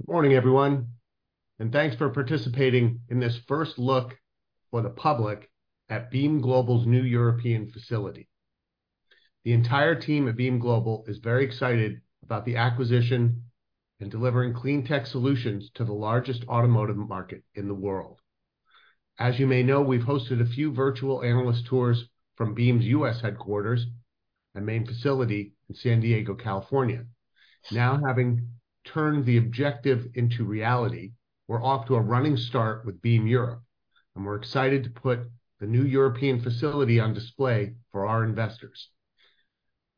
Good morning, everyone, and thanks for participating in this first look for the public at Beam Global's new European facility. The entire team at Beam Global is very excited about the acquisition and delivering clean tech solutions to the largest automotive market in the world. As you may know, we've hosted a few virtual analyst tours from Beam's U.S. headquarters and main facility in San Diego, California. Now, having turned the objective into reality, we're off to a running start with Beam Europe, and we're excited to put the new European facility on display for our investors.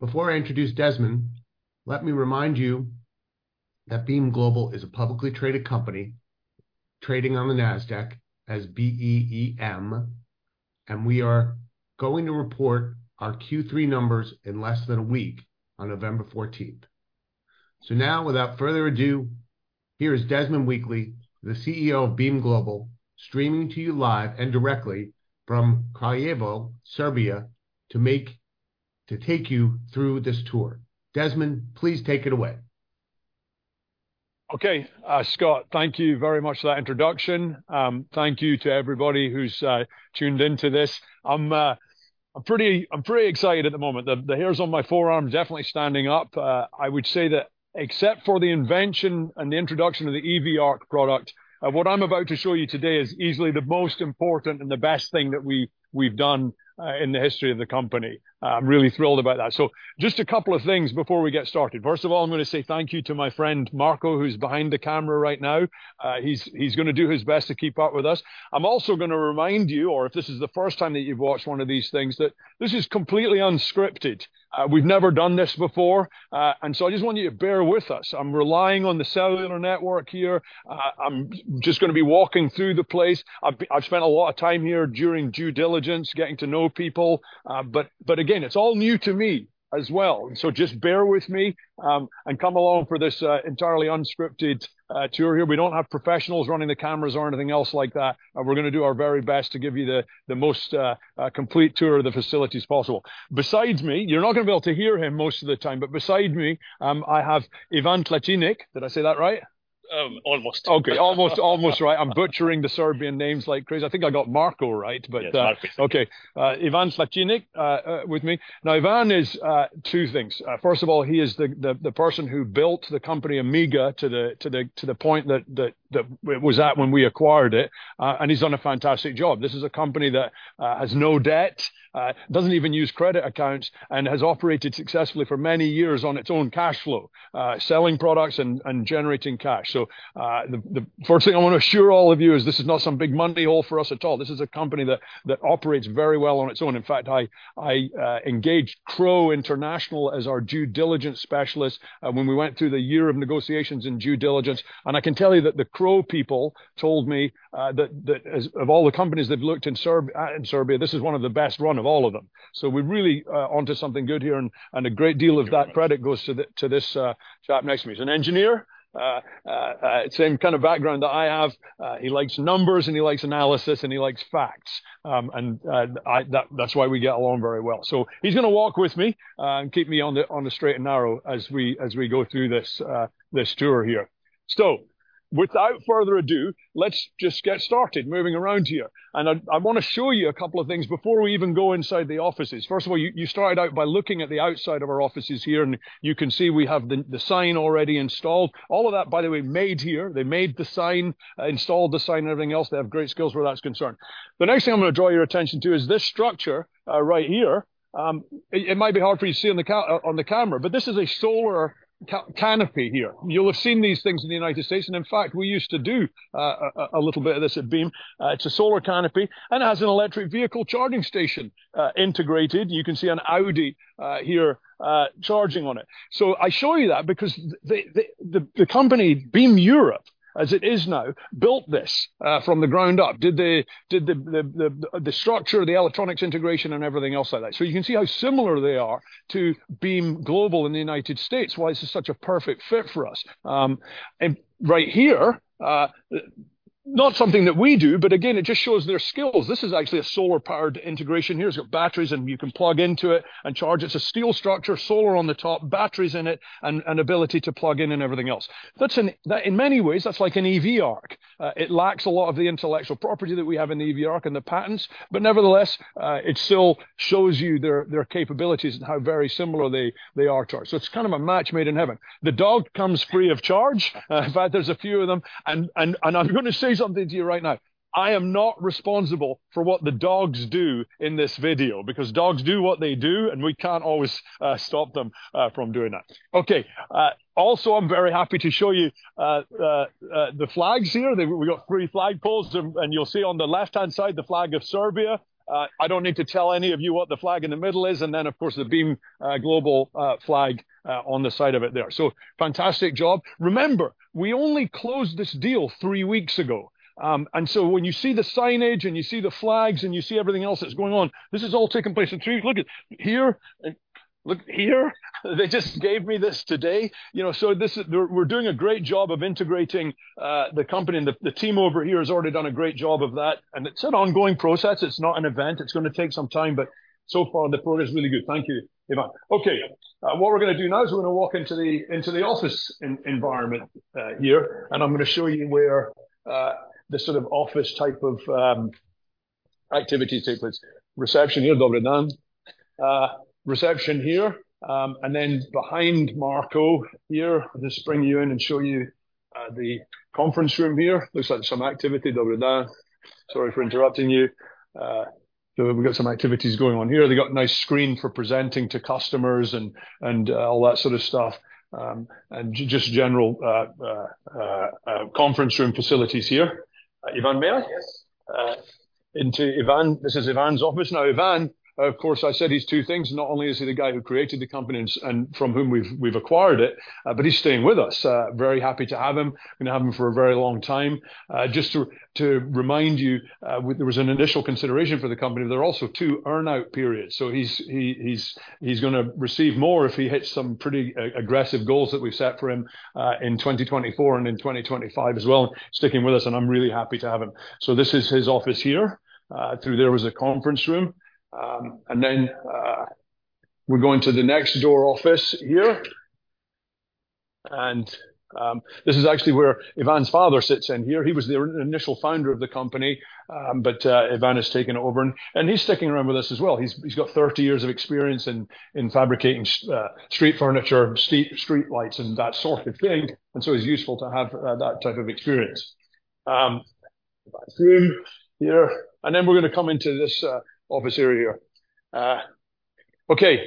Before I introduce Desmond, let me remind you that Beam Global is a publicly traded company, trading on the Nasdaq as BEEM, and we are going to report our Q3 numbers in less than a week, on November 14th. So now, without further ado, here is Desmond Wheatley, the CEO of Beam Global, streaming to you live and directly from Kraljevo, Serbia, to take you through this tour. Desmond, please take it away. Okay. Scott, thank you very much for that introduction. Thank you to everybody who's tuned into this. I'm pretty excited at the moment. The hairs on my forearm definitely standing up. I would say that except for the invention and the introduction of the EV ARC product, what I'm about to show you today is easily the most important and the best thing that we've done in the history of the company. I'm really thrilled about that. So just a couple of things before we get started. First of all, I'm gonna say thank you to my friend Marco, who's behind the camera right now. He's gonna do his best to keep up with us. I'm also gonna remind you, or if this is the first time that you've watched one of these things, that this is completely unscripted. We've never done this before, and so I just want you to bear with us. I'm relying on the cellular network here. I'm just gonna be walking through the place. I've spent a lot of time here during due diligence, getting to know people, but again, it's all new to me as well. So just bear with me, and come along for this entirely unscripted tour here. We don't have professionals running the cameras or anything else like that. We're gonna do our very best to give you the most complete tour of the facilities possible. Besides me... You're not gonna be able to hear him most of the time, but beside me, I have Ivan Tlačinac. Did I say that right? Um, almost. Okay, almost, almost right. I'm butchering the Serbian names like crazy. I think I got Marco right, but, Yes, Marco. Okay, Ivan Tlačinac with me. Now, Ivan is two things. First of all, he is the person who built the company Amiga to the point that it was at when we acquired it, and he's done a fantastic job. This is a company that has no debt, doesn't even use credit accounts, and has operated successfully for many years on its own cash flow, selling products and generating cash. So, the first thing I want to assure all of you is this is not some big money hole for us at all. This is a company that operates very well on its own. In fact, I engaged Crowe International as our due diligence specialist when we went through the year of negotiations and due diligence, and I can tell you that the Crowe people told me that as of all the companies they've looked at in Serbia, this is one of the best run of all of them. So we're really onto something good here, and a great deal of that credit goes to this chap next to me. He's an engineer. Same kind of background that I have. He likes numbers, and he likes analysis, and he likes facts. That's why we get along very well. So he's gonna walk with me, and keep me on the, on the straight and narrow as we, as we go through this, this tour here. So without further ado, let's just get started moving around here, and I, I wanna show you a couple of things before we even go inside the offices. First of all, you, you started out by looking at the outside of our offices here, and you can see we have the, the sign already installed. All of that, by the way, made here. They made the sign, installed the sign, and everything else. They have great skills where that's concerned. The next thing I'm gonna draw your attention to is this structure, right here. It might be hard for you to see on the camera, but this is a solar canopy here. You'll have seen these things in the United States, and in fact, we used to do a little bit of this at Beam. It's a solar canopy, and it has an electric vehicle charging station integrated. You can see an Audi here charging on it. So I show you that because the company, Beam Europe, as it is now, built this from the ground up. Did the structure, the electronics integration, and everything else like that. So you can see how similar they are to Beam Global in the United States, why this is such a perfect fit for us. And right here, not something that we do, but again, it just shows their skills. This is actually a solar-powered integration here. It's got batteries, and you can plug into it and charge. It's a steel structure, solar on the top, batteries in it, and an ability to plug in and everything else. That's. In many ways, that's like an EV ARC. It lacks a lot of the intellectual property that we have in the EV ARC and the patents, but nevertheless, it still shows you their, their capabilities and how very similar they, they are to us. So it's kind of a match made in heaven. The dog comes free of charge. In fact, there's a few of them. And, and, and I'm gonna say something to you right now. I am not responsible for what the dogs do in this video, because dogs do what they do, and we can't always stop them from doing that. Okay, also, I'm very happy to show you the flags here. We've got three flagpoles, and you'll see on the left-hand side, the flag of Serbia. I don't need to tell any of you what the flag in the middle is, and then, of course, the Beam Global flag on the side of it there. So fantastic job. Remember, we only closed this deal three weeks ago. And so when you see the signage, and you see the flags, and you see everything else that's going on, this is all taking place in three... Look here. They just gave me this today. You know, so this is... We're doing a great job of integrating the company, and the team over here has already done a great job of that, and it's an ongoing process. It's not an event. It's gonna take some time, but so far, the progress is really good. Thank you, Ivan. Okay, what we're gonna do now is we're gonna walk into the office environment here, and I'm gonna show you where the sort of office type of activities take place. Reception here, Dobar dan. Reception here, and then behind Marco here, I'll just bring you in and show you the conference room here. Looks like some activity. Dobar dan. Sorry for interrupting you. So we've got some activities going on here. They've got a nice screen for presenting to customers and all that sort of stuff. And just general conference room facilities here. Ivan, may I? Yes. Into Ivan's. This is Ivan's office. Now, Ivan, of course, I said he's two things. Not only is he the guy who created the company and from whom we've acquired it, but he's staying with us. Very happy to have him. We're gonna have him for a very long time. Just to remind you, there was an initial consideration for the company. There are also two earn-out periods, so he's gonna receive more if he hits some pretty aggressive goals that we've set for him in 2024 and in 2025 as well. Sticking with us, and I'm really happy to have him. So this is his office here. Through there was a conference room. And then we go into the next door office here, and this is actually where Ivan's father sits in here. He was the initial founder of the company, but Ivan has taken over, and he's sticking around with us as well. He's got 30 years of experience in fabricating street furniture, streetlights, and that sort of thing, and so it's useful to have that type of experience. Bathroom here, and then we're gonna come into this office area here. Okay.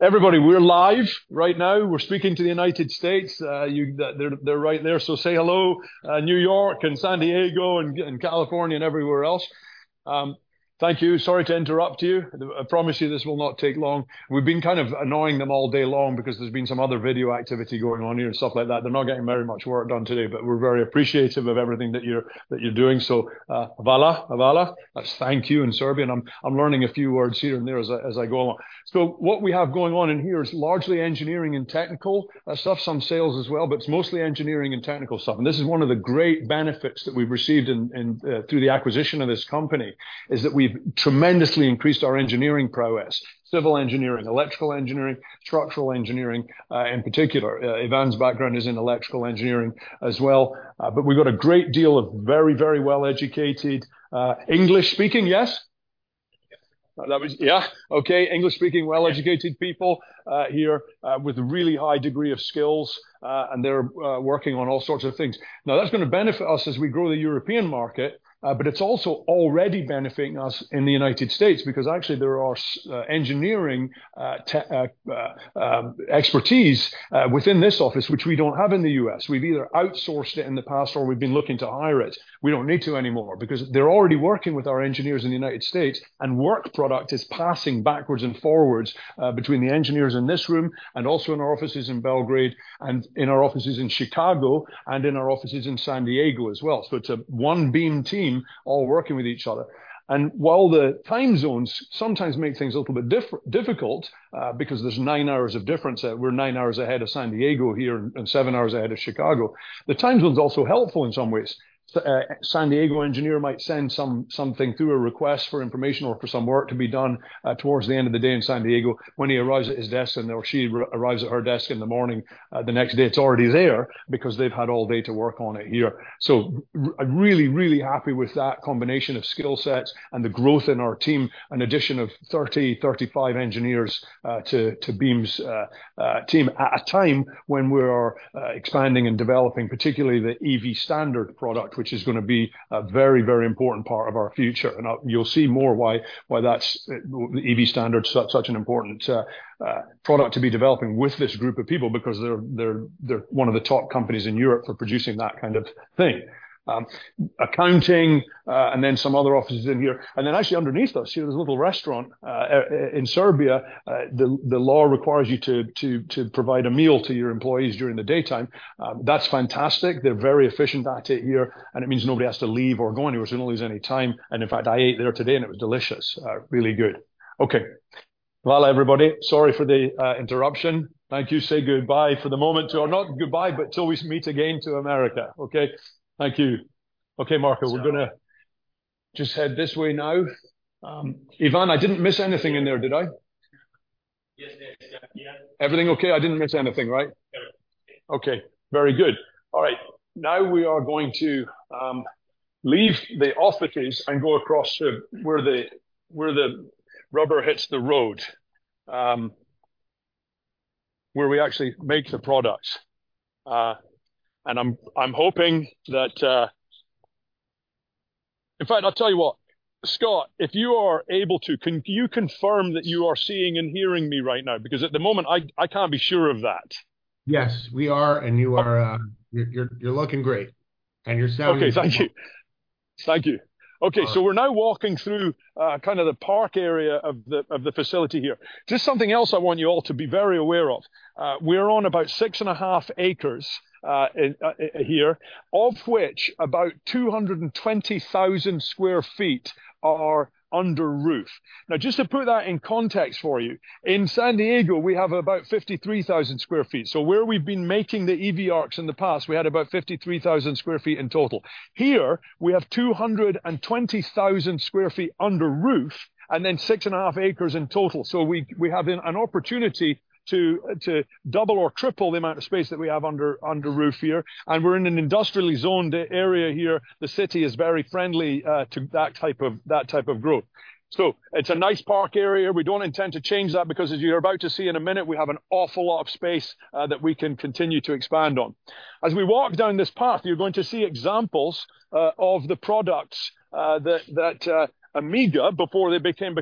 Everybody, we're live right now. We're speaking to the United States. They're right there, so say hello, New York and San Diego and California and everywhere else. Thank you. Sorry to interrupt you. I promise you this will not take long. We've been kind of annoying them all day long because there's been some other video activity going on here and stuff like that. They're not getting very much work done today, but we're very appreciative of everything that you're doing. So, hvala, hvala. Thank you, in Serbian. I'm learning a few words here and there as I go along. So what we have going on in here is largely engineering and technical stuff, some sales as well, but it's mostly engineering and technical stuff. And this is one of the great benefits that we've received through the acquisition of this company, is that we've tremendously increased our engineering prowess, civil engineering, electrical engineering, structural engineering, in particular. Ivan's background is in electrical engineering as well. But we've got a great deal of very, very well-educated English-speaking, well-educated people here with a really high degree of skills, and they're working on all sorts of things. Now, that's gonna benefit us as we grow the European market, but it's also already benefiting us in the United States because actually there are engineering expertise within this office, which we don't have in the US. We've either outsourced it in the past or we've been looking to hire it. We don't need to anymore because they're already working with our engineers in the United States, and work product is passing backwards and forwards between the engineers in this room and also in our offices in Belgrade and in our offices in Chicago and in our offices in San Diego as well. So it's a one Beam Team all working with each other. And while the time zones sometimes make things a little bit difficult, because there's nine hours of difference, we're nine hours ahead of San Diego here and seven hours ahead of Chicago, the time zone's also helpful in some ways. So, a San Diego engineer might send something through, a request for information or for some work to be done towards the end of the day in San Diego. When he arrives at his desk, and/or she arrives at her desk in the morning, the next day, it's already there because they've had all day to work on it here. So I'm really, really happy with that combination of skill sets and the growth in our team. An addition of 30-35 engineers to Beam's team at a time when we're expanding and developing, particularly the EV Standard product, which is gonna be a very, very important part of our future. And you'll see more why that's the EV Standard is such an important product to be developing with this group of people because they're one of the top companies in Europe for producing that kind of thing. Accounting, and then some other offices in here, and then actually underneath us, see, there's a little restaurant. In Serbia, the law requires you to provide a meal to your employees during the daytime. That's fantastic. They're very efficient at it here, and it means nobody has to leave or go anywhere, so they don't lose any time, and in fact, I ate there today, and it was delicious. Really good. Okay. hvala, everybody. Sorry for the interruption. Thank you. Say goodbye for the moment or not goodbye, but till we meet again to America. Okay? Thank you. Okay, Marco, we're gonna just head this way now. Ivan, I didn't miss anything in there, did I? Yes, yes, yeah. Everything okay? I didn't miss anything, right? Yeah. Okay, very good. All right, now we are going to leave the offices and go across to where the rubber hits the road. Where we actually make the products. And I'm hoping that... In fact, I'll tell you what, Scott, if you are able to, can you confirm that you are seeing and hearing me right now? Because at the moment, I can't be sure of that. Yes, we are, and you are, you're looking great, and you're sounding wonderful. Okay. Thank you. Thank you. All right. Okay, so we're now walking through kind of the park area of the facility here. Just something else I want you all to be very aware of, we're on about 6.5 acres here, of which about 220,000 sq ft are under roof. Now, just to put that in context for you, in San Diego, we have about 53,000 sq ft. So where we've been making the EV ARCs in the past, we had about 53,000 sq ft in total. Here, we have 220,000 sq ft under roof, and then 6.5 acres in total. So we have an opportunity to double or triple the amount of space that we have under roof here, and we're in an industrially zoned area here. The city is very friendly to that type of growth. So it's a nice park area. We don't intend to change that because, as you're about to see in a minute, we have an awful lot of space that we can continue to expand on. As we walk down this path, you're going to see examples of the products that Amiga, before they became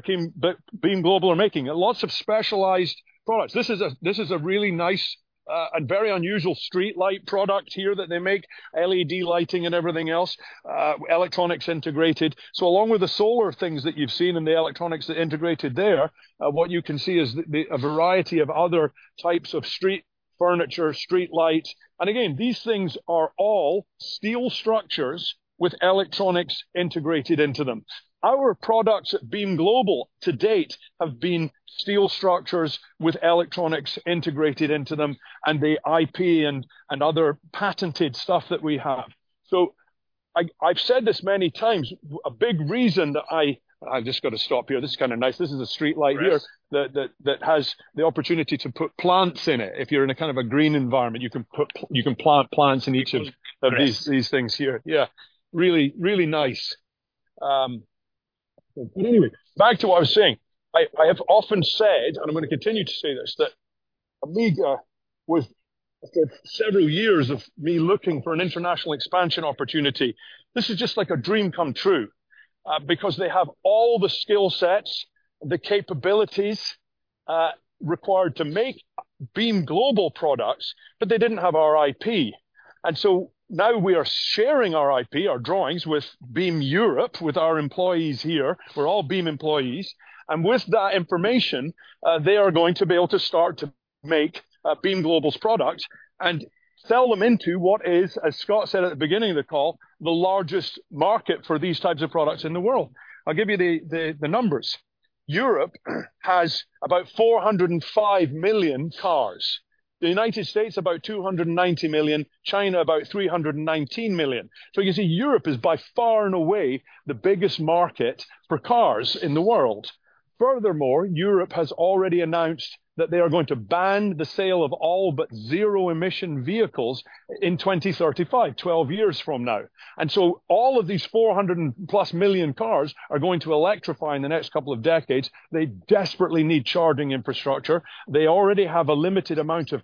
Beam Global, are making. Lots of specialized products. This is a really nice, a very unusual streetlight product here that they make, LED lighting and everything else, electronics integrated. So along with the solar things that you've seen and the electronics that are integrated there, what you can see is a variety of other types of street furniture, streetlights. Again, these things are all steel structures with electronics integrated into them. Our products at Beam Global to date have been steel structures with electronics integrated into them and the IP and, and other patented stuff that we have. So I, I've said this many times, a big reason that I... I've just got to stop here. This is kind of nice. This is a streetlight here. Nice. that has the opportunity to put plants in it. If you're in a kind of a green environment, you can plant plants in each of- Nice These, these things here. Yeah, really, really nice. But anyway, back to what I was saying. I have often said, and I'm gonna continue to say this, that Amiga was, after several years of me looking for an international expansion opportunity, this is just like a dream come true. Because they have all the skill sets, the capabilities required to make Beam Global products, but they didn't have our IP. And so now we are sharing our IP, our drawings, with Beam Europe, with our employees here. We're all Beam employees, and with that information, they are going to be able to start to make Beam Global's products and sell them into what is, as Scott said at the beginning of the call, the largest market for these types of products in the world. I'll give you the numbers. Europe has about 405 million cars. The United States, about 290 million. China, about 319 million. So you can see, Europe is by far and away the biggest market for cars in the world. Furthermore, Europe has already announced that they are going to ban the sale of all but zero-emission vehicles in 2035, 12 years from now. And so all of these 400+ million cars are going to electrify in the next couple of decades. They desperately need charging infrastructure. They already have a limited amount of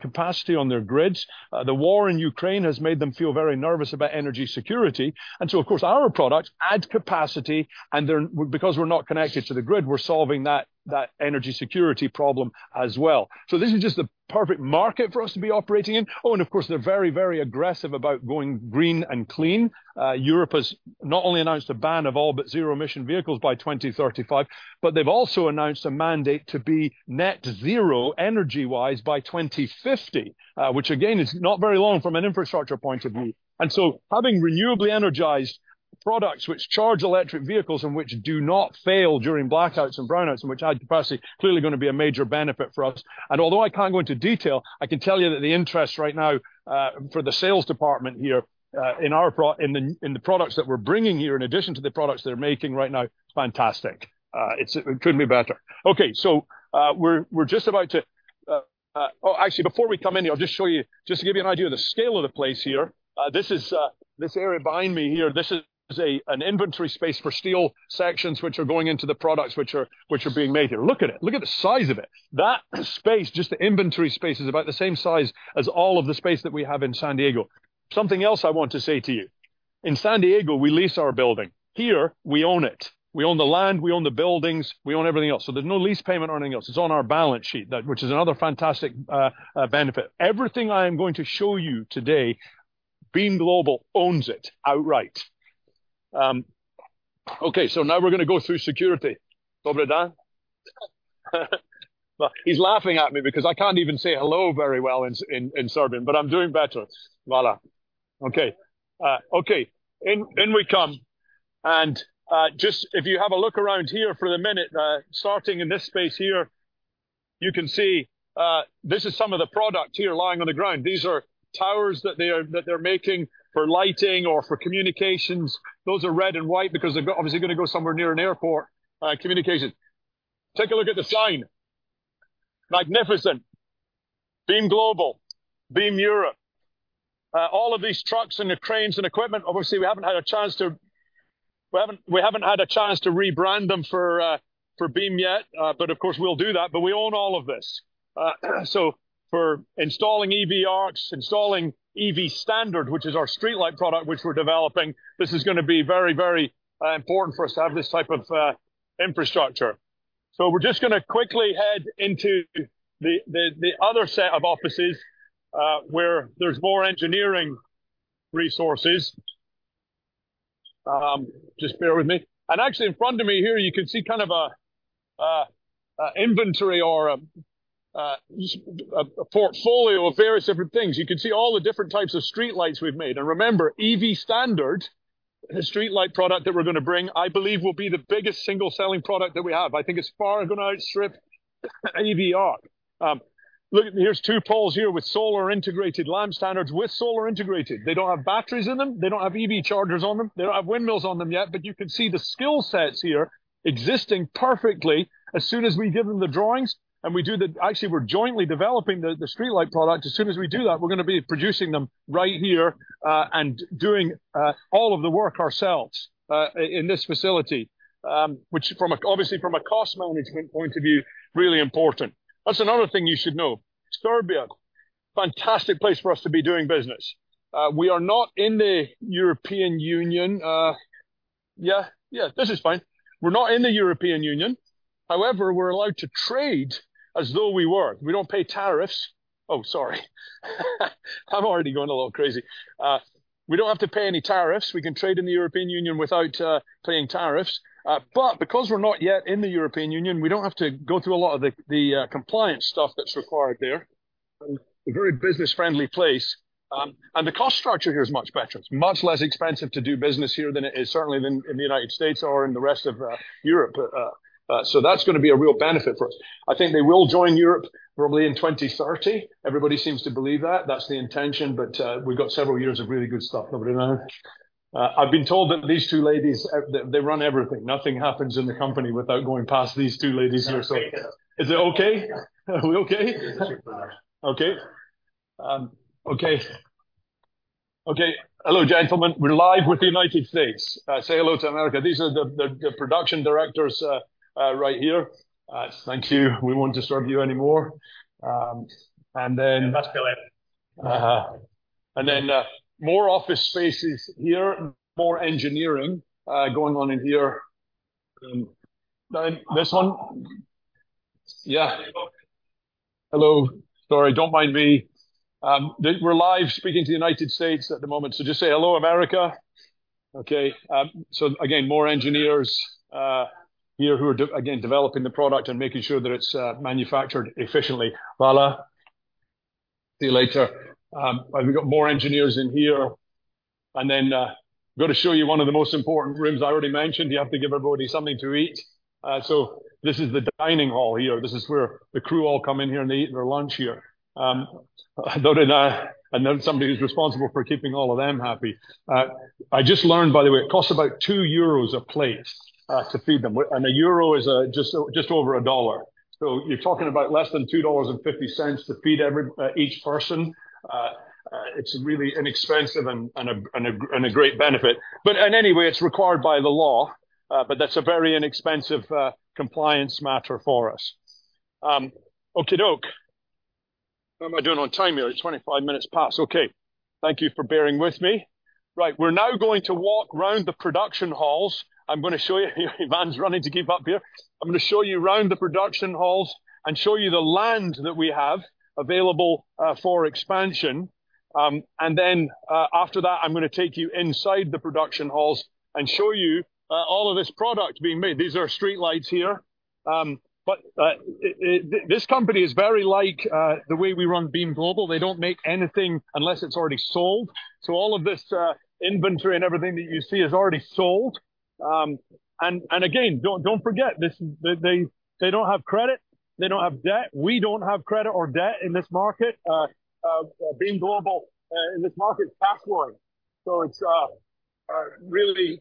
capacity on their grids. The war in Ukraine has made them feel very nervous about energy security. And so, of course, our products add capacity, and they're because we're not connected to the grid, we're solving that, that energy security problem as well. So this is just the perfect market for us to be operating in. Oh, and of course, they're very, very aggressive about going green and clean. Europe has not only announced a ban of all but zero-emission vehicles by 2035, but they've also announced a mandate to be net zero energy-wise by 2050, which again is not very long from an infrastructure point of view. And so having renewably energized products which charge electric vehicles and which do not fail during blackouts and brownouts and which add capacity, clearly gonna be a major benefit for us. And although I can't go into detail, I can tell you that the interest right now for the sales department here in the products that we're bringing here, in addition to the products they're making right now, is fantastic. It couldn't be better. Okay, so we're just about to. Oh, actually, before we come in here, I'll just show you, just to give you an idea of the scale of the place here. This is this area behind me here, this is an inventory space for steel sections which are going into the products which are being made here. Look at it. Look at the size of it. That space, just the inventory space, is about the same size as all of the space that we have in San Diego. Something else I want to say to you. In San Diego, we lease our building. Here, we own it. We own the land, we own the buildings, we own everything else. So there's no lease payment or anything else. It's on our balance sheet, that, which is another fantastic benefit. Everything I am going to show you today, Beam Global owns it outright. Okay, so now we're gonna go through security. He's laughing at me because I can't even say hello very well in Serbian, but I'm doing better. Voilà. Okay. In we come, and just if you have a look around here for the minute, starting in this space here, you can see this is some of the product here lying on the ground. These are towers that they are, that they're making for lighting or for communications. Those are red and white because they're obviously gonna go somewhere near an airport, communications. Take a look at the sign. Magnificent! Beam Global, Beam Europe. All of these trucks and the cranes and equipment, obviously, we haven't had a chance to rebrand them for Beam yet, but of course, we'll do that, but we own all of this. So for installing EV ARCs, installing EV Standard, which is our streetlight product, which we're developing, this is gonna be very, very important for us to have this type of infrastructure. So we're just gonna quickly head into the other set of offices, where there's more engineering resources. Just bear with me. And actually, in front of me here, you can see kind of an inventory or a portfolio of various different things. You can see all the different types of streetlights we've made. And remember, EV Standard, the streetlight product that we're gonna bring, I believe, will be the biggest single-selling product that we have. I think it's far gonna outstrip EV ARC. Look, here's two poles here with solar-integrated lamp standards, with solar-integrated. They don't have batteries in them. They don't have EV chargers on them. They don't have windmills on them yet, but you can see the skill sets here existing perfectly. As soon as we give them the drawings, and we do the. Actually, we're jointly developing the streetlight product. As soon as we do that, we're gonna be producing them right here, and doing all of the work ourselves in this facility, which, from a, obviously, from a cost management point of view, really important. That's another thing you should know. Serbia, fantastic place for us to be doing business. We are not in the European Union. Yeah, yeah, this is fine. We're not in the European Union. However, we're allowed to trade as though we were. We don't pay tariffs. Oh, sorry. I'm already going a little crazy. We don't have to pay any tariffs. We can trade in the European Union without paying tariffs. But because we're not yet in the European Union, we don't have to go through a lot of the compliance stuff that's required there. A very business-friendly place, and the cost structure here is much better. It's much less expensive to do business here than it is, certainly than in the United States or in the rest of Europe. So that's gonna be a real benefit for us. I think they will join Europe probably in 2030. Everybody seems to believe that. That's the intention, but, we've got several years of really good stuff. I've been told that these two ladies, they run everything. Nothing happens in the company without going past these two ladies here. So is it okay? Are we okay? Yes. Okay. Okay, hello, gentlemen. We're live with the United States. Say hello to America. These are the production directors right here. Thank you. We won't disturb you anymore. And then, more office spaces here, more engineering going on in here. Then this one. Yeah. Hello. Sorry, don't mind me. We're live speaking to the United States at the moment, so just say, "Hello, America." Okay, so again, more engineers here who are de... again, developing the product and making sure that it's manufactured efficiently. Hvala, see you later. And we've got more engineers in here, and then, I'm gonna show you one of the most important rooms I already mentioned. You have to give everybody something to eat. So this is the dining hall here. This is where the crew all come in here, and they eat their lunch here. Dorina, and then somebody who's responsible for keeping all of them happy. I just learned, by the way, it costs about 2 euros a plate to feed them, and a euro is just over a dollar. So you're talking about less than $2.50 to feed every each person. It's really inexpensive and a great benefit. But... Anyway, it's required by the law, but that's a very inexpensive compliance matter for us. Okie-doke. How am I doing on time here? It's 25 minutes past. Okay. Thank you for bearing with me. Right, we're now going to walk around the production halls. I'm gonna show you. Ivan's running to keep up here. I'm gonna show you around the production halls and show you the land that we have available for expansion. And then, after that, I'm gonna take you inside the production halls and show you all of this product being made. These are streetlights here. But this company is very like the way we run Beam Global. They don't make anything unless it's already sold. So all of this inventory and everything that you see is already sold. And again, don't forget, this, they don't have credit. They don't have debt. We don't have credit or debt in this market, Beam Global, in this market, fast one. So it's a really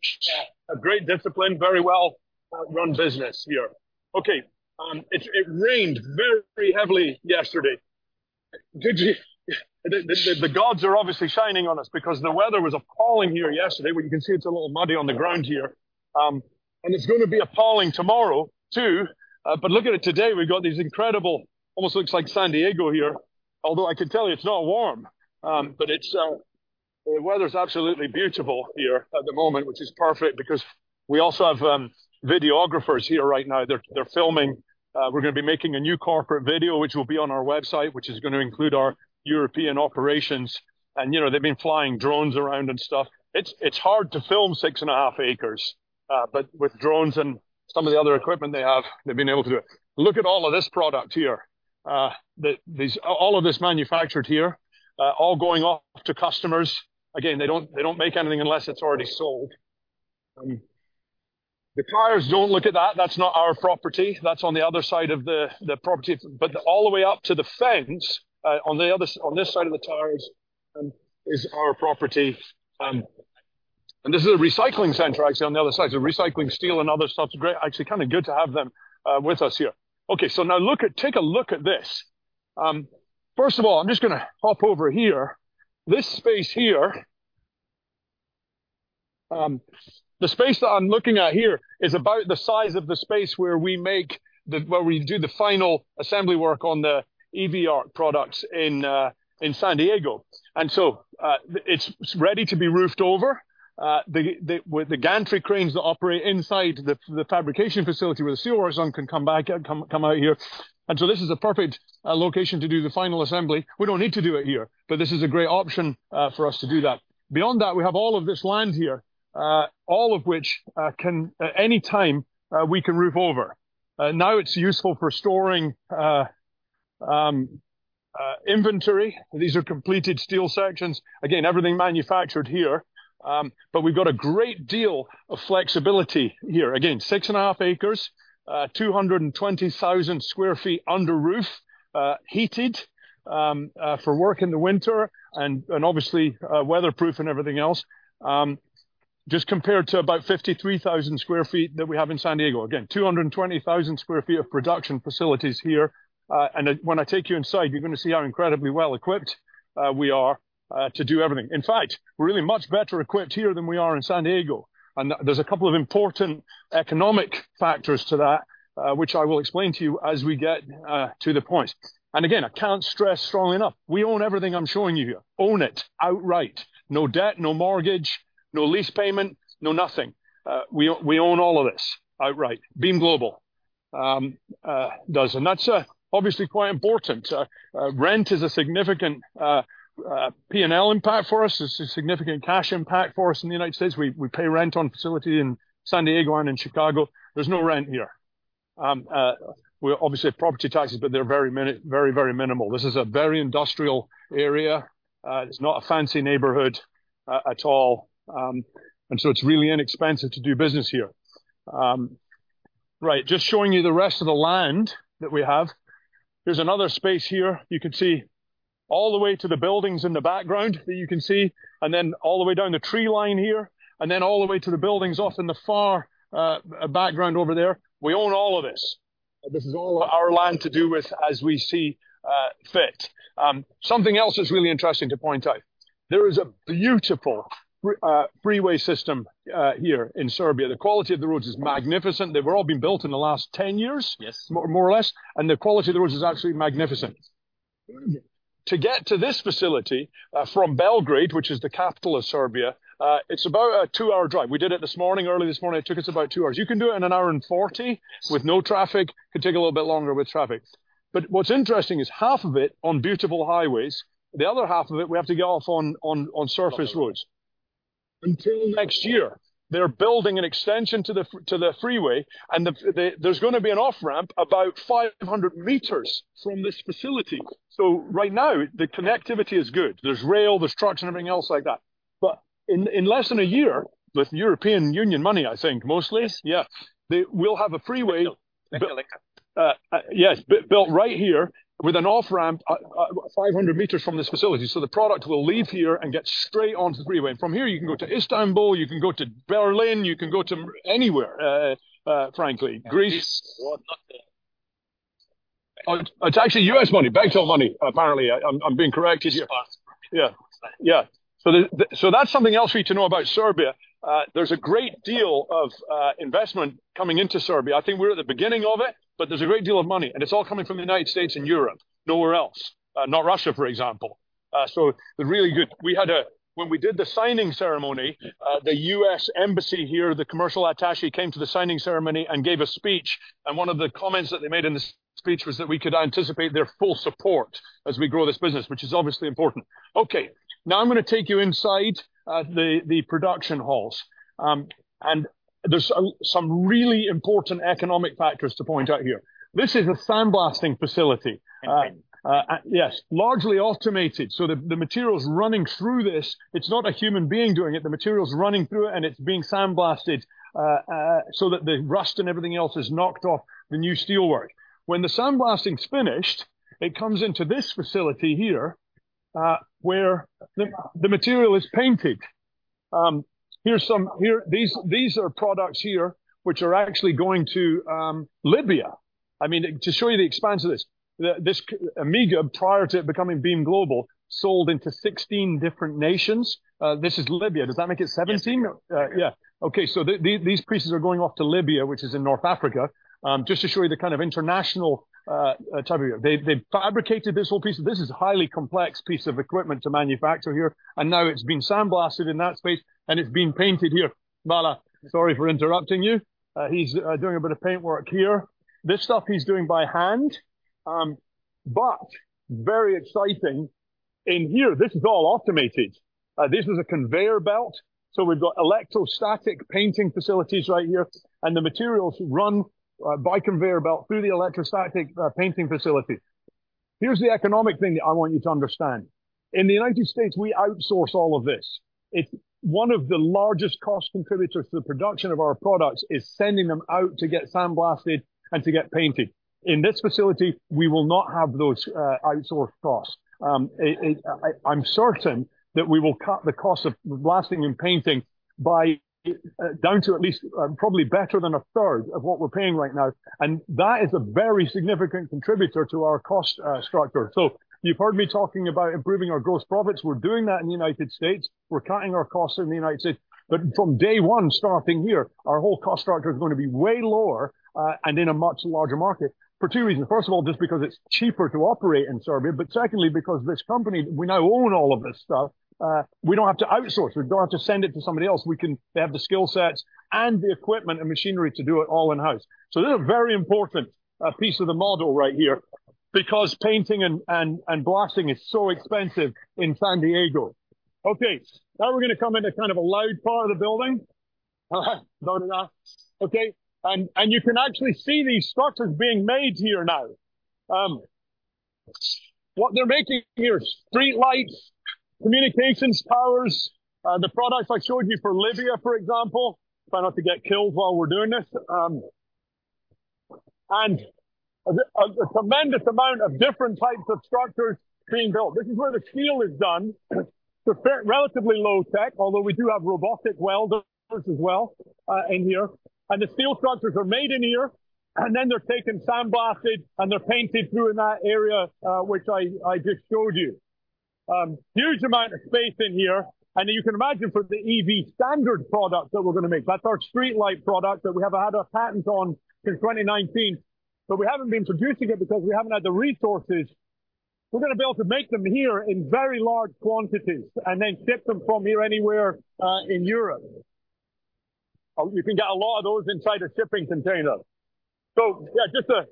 a great discipline, very well run business here. Okay, it rained very heavily yesterday. The gods are obviously shining on us because the weather was appalling here yesterday. Well, you can see it's a little muddy on the ground here. And it's gonna be appalling tomorrow, too. But look at it today. We've got these incredible, almost looks like San Diego here, although I can tell you it's not warm. But it's the weather's absolutely beautiful here at the moment, which is perfect because we also have videographers here right now. They're filming. We're gonna be making a new corporate video, which will be on our website, which is gonna include our European operations, and, you know, they've been flying drones around and stuff. It's hard to film 6.5 acres, but with drones and some of the other equipment they have, they've been able to do it. Look at all of this product here. All of this manufactured here, all going off to customers. Again, they don't make anything unless it's already sold. The tires, don't look at that. That's not our property. That's on the other side of the property, but all the way up to the fence, on this side of the tires, is our property. And this is a recycling center, actually, on the other side. So recycling steel and other stuff. It's great, actually, kind of good to have them with us here. Okay, so now look at, take a look at this. First of all, I'm just gonna hop over here. This space here, the space that I'm looking at here is about the size of the space where we do the final assembly work on the EV ARC products in San Diego. And so, it's ready to be roofed over. With the gantry cranes that operate inside the fabrication facility where the steel works on can come back, come out here. And so this is a perfect location to do the final assembly. We don't need to do it here, but this is a great option for us to do that. Beyond that, we have all of this land here, all of which can any time we can roof over. Now, it's useful for storing inventory. These are completed steel sections. Again, everything manufactured here, but we've got a great deal of flexibility here. Again, 6.5 acres, 220,000 sq ft under roof, heated, for work in the winter and obviously weatherproof and everything else. Just compared to about 53,000 sq ft that we have in San Diego. Again, 220,000 sq ft of production facilities here, and then when I take you inside, you're gonna see how incredibly well-equipped we are to do everything. In fact, we're really much better equipped here than we are in San Diego, and there's a couple of important economic factors to that, which I will explain to you as we get to the point. And again, I can't stress strongly enough, we own everything I'm showing you here. Own it outright. No debt, no mortgage, no lease payment, no nothing. We own all of this outright, Beam Global does. And that's obviously quite important. Rent is a significant P&L impact for us. It's a significant cash impact for us in the United States. We pay rent on a facility in San Diego and in Chicago. There's no rent here. We obviously have property taxes, but they're very, very minimal. This is a very industrial area. It's not a fancy neighborhood at all. And so it's really inexpensive to do business here. Right, just showing you the rest of the land that we have. There's another space here. You can see all the way to the buildings in the background that you can see, and then all the way down the tree line here, and then all the way to the buildings off in the far background over there. We own all of this. This is all our land to do with as we see fit. Something else that's really interesting to point out, there is a beautiful freeway system here in Serbia. The quality of the roads is magnificent. They've all been built in the last 10 years. Yes. More or less, and the quality of the roads is absolutely magnificent. To get to this facility from Belgrade, which is the capital of Serbia, it's about a two-hour drive. We did it this morning, early this morning. It took us about two hours. You can do it in 1 hour and 40 with no traffic. It could take a little bit longer with traffic. But what's interesting is half of it on beautiful highways, the other half of it, we have to get off on surface roads. Until next year, they're building an extension to the freeway, and there's gonna be an off-ramp about 500 m from this facility. So right now, the connectivity is good. There's rail, there's trucks, and everything else like that. But in less than a year, with European Union money, I think mostly- Yes. Yeah. They will have a freeway- Exactly. Yes, built right here with an off-ramp, 500 m from this facility. So the product will leave here and get straight onto the freeway. And from here, you can go to Istanbul, you can go to Berlin, you can go to anywhere, frankly. Greece. Well, not there. It's actually U.S. money, bunch of money, apparently. I'm being corrected here. Yes. Yeah. Yeah. So that's something else for you to know about Serbia. There's a great deal of investment coming into Serbia. I think we're at the beginning of it, but there's a great deal of money, and it's all coming from the United States and Europe, nowhere else. Not Russia, for example. So really good. When we did the signing ceremony, the U.S. Embassy here, the commercial attaché, came to the signing ceremony and gave a speech, and one of the comments that they made in the speech was that we could anticipate their full support as we grow this business, which is obviously important. Okay, now I'm gonna take you inside the production halls. And there's some really important economic factors to point out here. This is a sandblasting facility. Okay. Yes, largely automated. So the material's running through this. It's not a human being doing it. The material's running through it, and it's being sandblasted, so that the rust and everything else is knocked off the new steelwork. When the sandblasting's finished, it comes into this facility here, where the material is painted. Here's some. Here, these are products here, which are actually going to Libya. I mean, to show you the expanse of this, this Amiga, prior to it becoming Beam Global, sold into 16 different nations. This is Libya. Does that make it 17? Yes. Yeah. Okay, so the, these pieces are going off to Libya, which is in North Africa. Just to show you the kind of international type of area. They fabricated this whole piece. This is a highly complex piece of equipment to manufacture here, and now it's been sandblasted in that space, and it's been painted here. Hvala, sorry for interrupting you. He's doing a bit of paintwork here. This stuff, he's doing by hand, but very exciting in here, this is all automated. This is a conveyor belt. So we've got electrostatic painting facilities right here, and the materials run by conveyor belt through the electrostatic painting facility. Here's the economic thing that I want you to understand. In the United States, we outsource all of this. It's one of the largest cost contributors to the production of our products is sending them out to get sandblasted and to get painted. In this facility, we will not have those outsourced costs. I’m certain that we will cut the cost of blasting and painting by down to at least probably better than a third of what we're paying right now, and that is a very significant contributor to our cost structure. So you've heard me talking about improving our gross profits. We're doing that in the United States. We're cutting our costs in the United States. But from day one, starting here, our whole cost structure is going to be way lower and in a much larger market, for two reasons. First of all, just because it's cheaper to operate in Serbia, but secondly, because this company, we now own all of this stuff. We don't have to outsource. We don't have to send it to somebody else. We can. They have the skill sets and the equipment and machinery to do it all in-house. So this is a very important piece of the model right here because painting and blasting is so expensive in San Diego. Okay, now we're going to come into kind of a loud part of the building. Okay, and you can actually see these structures being made here now. What they're making here is streetlights, communications towers, the products I showed you for Libya, for example. Try not to get killed while we're doing this. And a tremendous amount of different types of structures being built. This is where the steel is done. It's relatively low tech, although we do have robotic welders as well in here. And the steel structures are made in here, and then they're taken sandblasted, and they're painted through in that area, which I just showed you. Huge amount of space in here, and you can imagine for the EV Standard product that we're gonna make. That's our streetlight product that we have had our patents on since 2019, but we haven't been producing it because we haven't had the resources. We're gonna be able to make them here in very large quantities and then ship them from here anywhere in Europe. You can get a lot of those inside a shipping container. So yeah, just a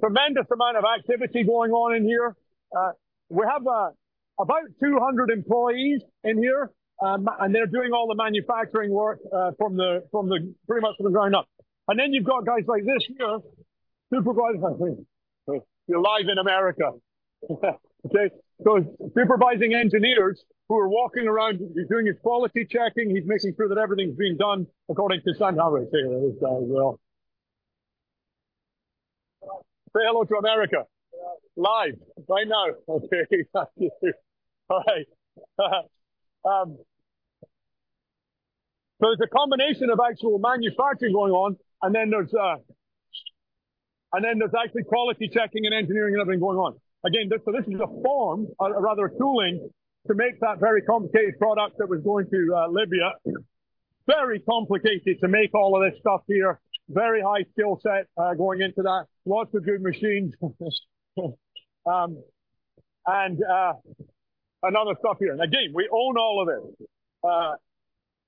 tremendous amount of activity going on in here. We have about 200 employees in here, and they're doing all the manufacturing work, pretty much from the ground up. And then you've got guys like this here, supervisor. Hi. You're live in America. Okay, so supervising engineers who are walking around. He's doing his quality checking. He's making sure that everything's been done according to San Jose as well. Say hello to America. Live, right now. Okay, thank you. Hi. So there's a combination of actual manufacturing going on, and then there's actually quality checking and engineering and everything going on. Again, this, so this is a form or, or rather a tooling to make that very complicated product that was going to Libya. Very complicated to make all of this stuff here. Very high skill set going into that. Lots of good machines. And other stuff here. And again, we own all of this.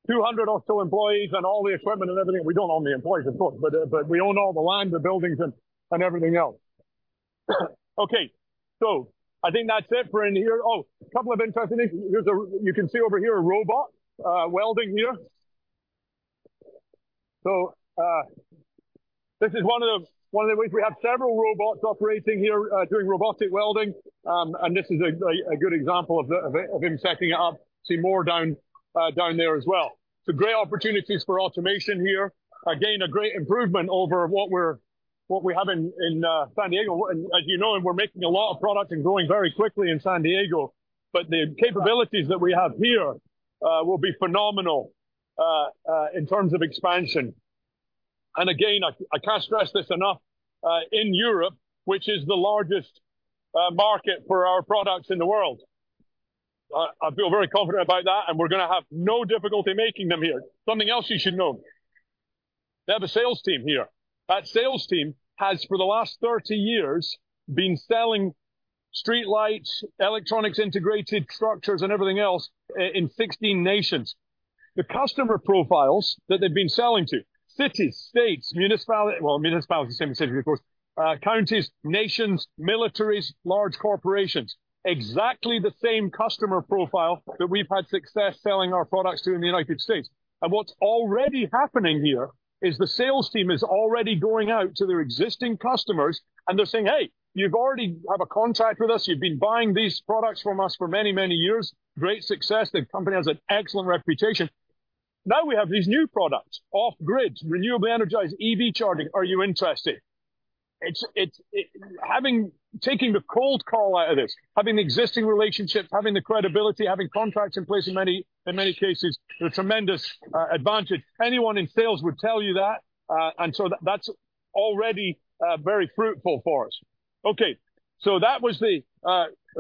200 or so employees and all the equipment and everything. We don't own the employees, of course, but we own all the lines, the buildings, and everything else. Okay, so I think that's it for in here. Oh, a couple of interesting things. You can see over here a robot welding here. So, this is one of the ways. We have several robots operating here, doing robotic welding. And this is a good example of him setting it up. See more down there as well. So great opportunities for automation here. Again, a great improvement over what we have in San Diego. As you know, we're making a lot of products and growing very quickly in San Diego, but the capabilities that we have here will be phenomenal in terms of expansion. And again, I can't stress this enough in Europe, which is the largest market for our products in the world. I feel very confident about that, and we're gonna have no difficulty making them here. Something else you should know, they have a sales team here. That sales team has, for the last 30 years, been selling streetlights, electronics, integrated structures, and everything else in 16 nations. The customer profiles that they've been selling to: cities, states, municipalities, the same as cities, of course, counties, nations, militaries, large corporations. Exactly the same customer profile that we've had success selling our products to in the United States. What's already happening here is the sales team is already going out to their existing customers, and they're saying, "Hey, you've already have a contact with us. You've been buying these products from us for many, many years." Great success. The company has an excellent reputation. Now, we have these new products, off-grid, renewably energized EV charging. Are you interested? It's having, taking the cold call out of this, having the existing relationships, having the credibility, having contracts in place in many cases, is a tremendous advantage. Anyone in sales would tell you that. And so that's already very fruitful for us. Okay, so that was the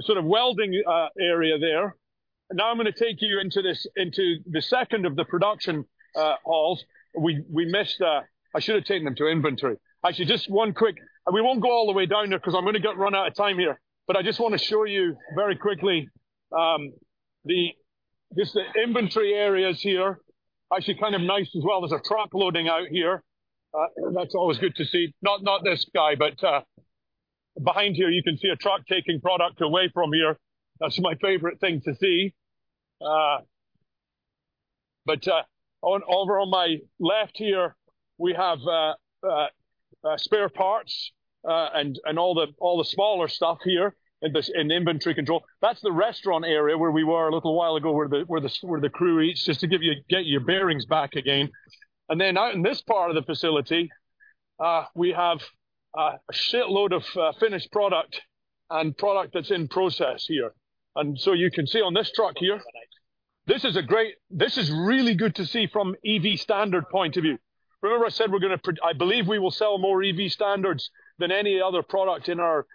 sort of welding area there. Now I'm gonna take you into this, into the second of the production halls. We missed. I should have taken them to inventory. Actually, just one quick and we won't go all the way down there 'cause I'm gonna get run out of time here. But I just wanna show you very quickly, just the inventory areas here. Actually, kind of nice as well. There's a truck loading out here. That's always good to see. Not this guy, but behind here you can see a truck taking product away from here. That's my favorite thing to see. But over on my left here, we have spare parts and all the smaller stuff here in the inventory control. That's the restaurant area where we were a little while ago, where the crew eats, just to get your bearings back again. And then out in this part of the facility, we have a shitload of finished product and product that's in process here. And so you can see on this truck here, this is a great—this is really good to see from EV Standard point of view. Remember I said we're gonna—I believe we will sell more EV Standards than any other product in our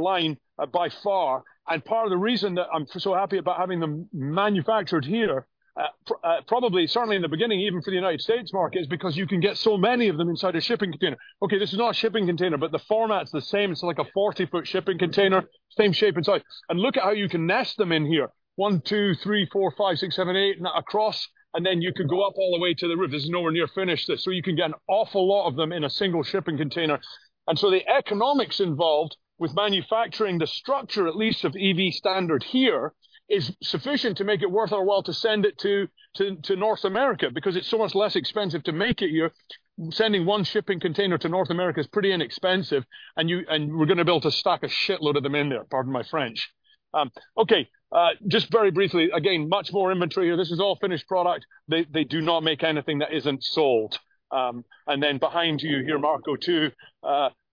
line, by far. And part of the reason that I'm so happy about having them manufactured here, probably, certainly in the beginning, even for the United States market, is because you can get so many of them inside a shipping container. Okay, this is not a shipping container, but the format's the same. It's like a 40-foot shipping container, same shape and size. Look at how you can nest them in here. One, two, three, four, five, six, seven, eight, and across, and then you could go up all the way to the roof. This is nowhere near finished. You can get an awful lot of them in a single shipping container. The economics involved with manufacturing the structure, at least of EV Standard here, is sufficient to make it worth our while to send it to North America because it's so much less expensive to make it here. Sending one shipping container to North America is pretty inexpensive, and we're gonna be able to stack a shitload of them in there. Pardon my French. Okay, just very briefly, again, much more inventory here. This is all finished product. They do not make anything that isn't sold. And then behind you here, Marco, too,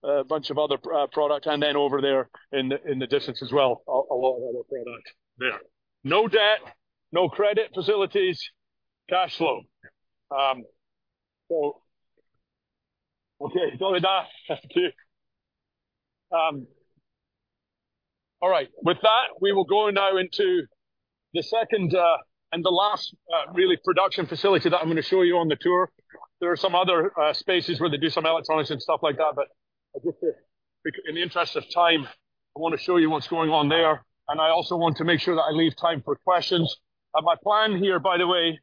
a bunch of other product, and then over there in the, in the distance as well, a lot of other product there. No debt, no credit facilities, cash flow. So okay, done with that. All right. With that, we will go now into the second, and the last, really production facility that I'm gonna show you on the tour. There are some other spaces where they do some electronics and stuff like that, but just to, in the interest of time, I wanna show you what's going on there, and I also want to make sure that I leave time for questions. My plan here, by the way,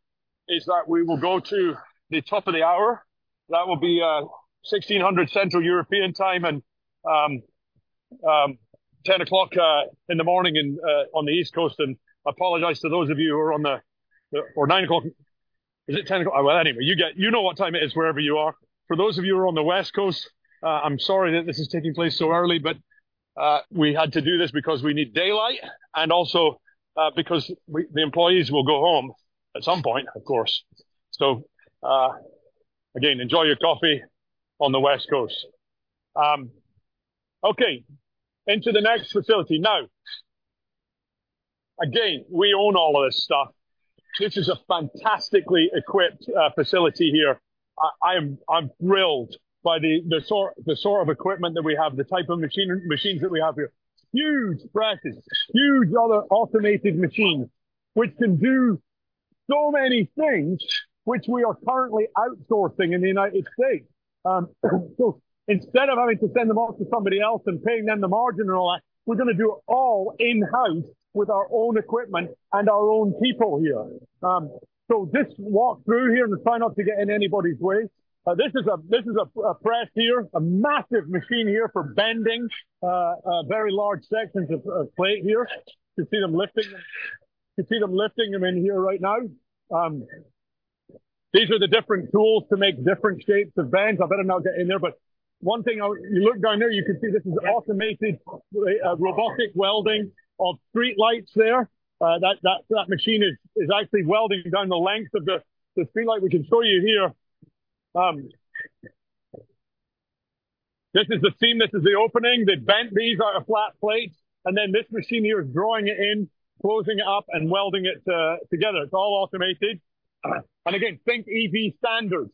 is that we will go to the top of the hour. That will be 4:00 P.M. Central European Time, and 10:00 A.M. on the East Coast. I apologize to those of you who are on or 9:00 A.M. Is it 10:00 A.M.? Well, anyway, you get, you know what time it is wherever you are. For those of you who are on the West Coast, I'm sorry that this is taking place so early, but we had to do this because we need daylight, and also because we, the employees will go home at some point, of course. So, again, enjoy your coffee on the West Coast. Okay, into the next facility. Now, again, we own all of this stuff. This is a fantastically equipped facility here. I'm thrilled by the sort of equipment that we have, the type of machines that we have here. Huge presses, huge other automated machines, which can do so many things which we are currently outsourcing in the United States. So instead of having to send them off to somebody else and paying them the margin and all that, we're gonna do it all in-house with our own equipment and our own people here. So just walk through here and try not to get in anybody's way. This is a press here, a massive machine here for bending, a very large sections of plate here. You can see them lifting. You can see them lifting them in here right now. These are the different tools to make different shapes of bends. I better not get in there, but one thing I... You look down there, you can see this is automated, robotic welding of streetlights there. That machine is actually welding down the length of the streetlight. We can show you here. This is the seam, this is the opening. They bent these out of flat plates, and then this machine here is drawing it in, closing it up, and welding it together. It's all automated. And again, think EV Standard.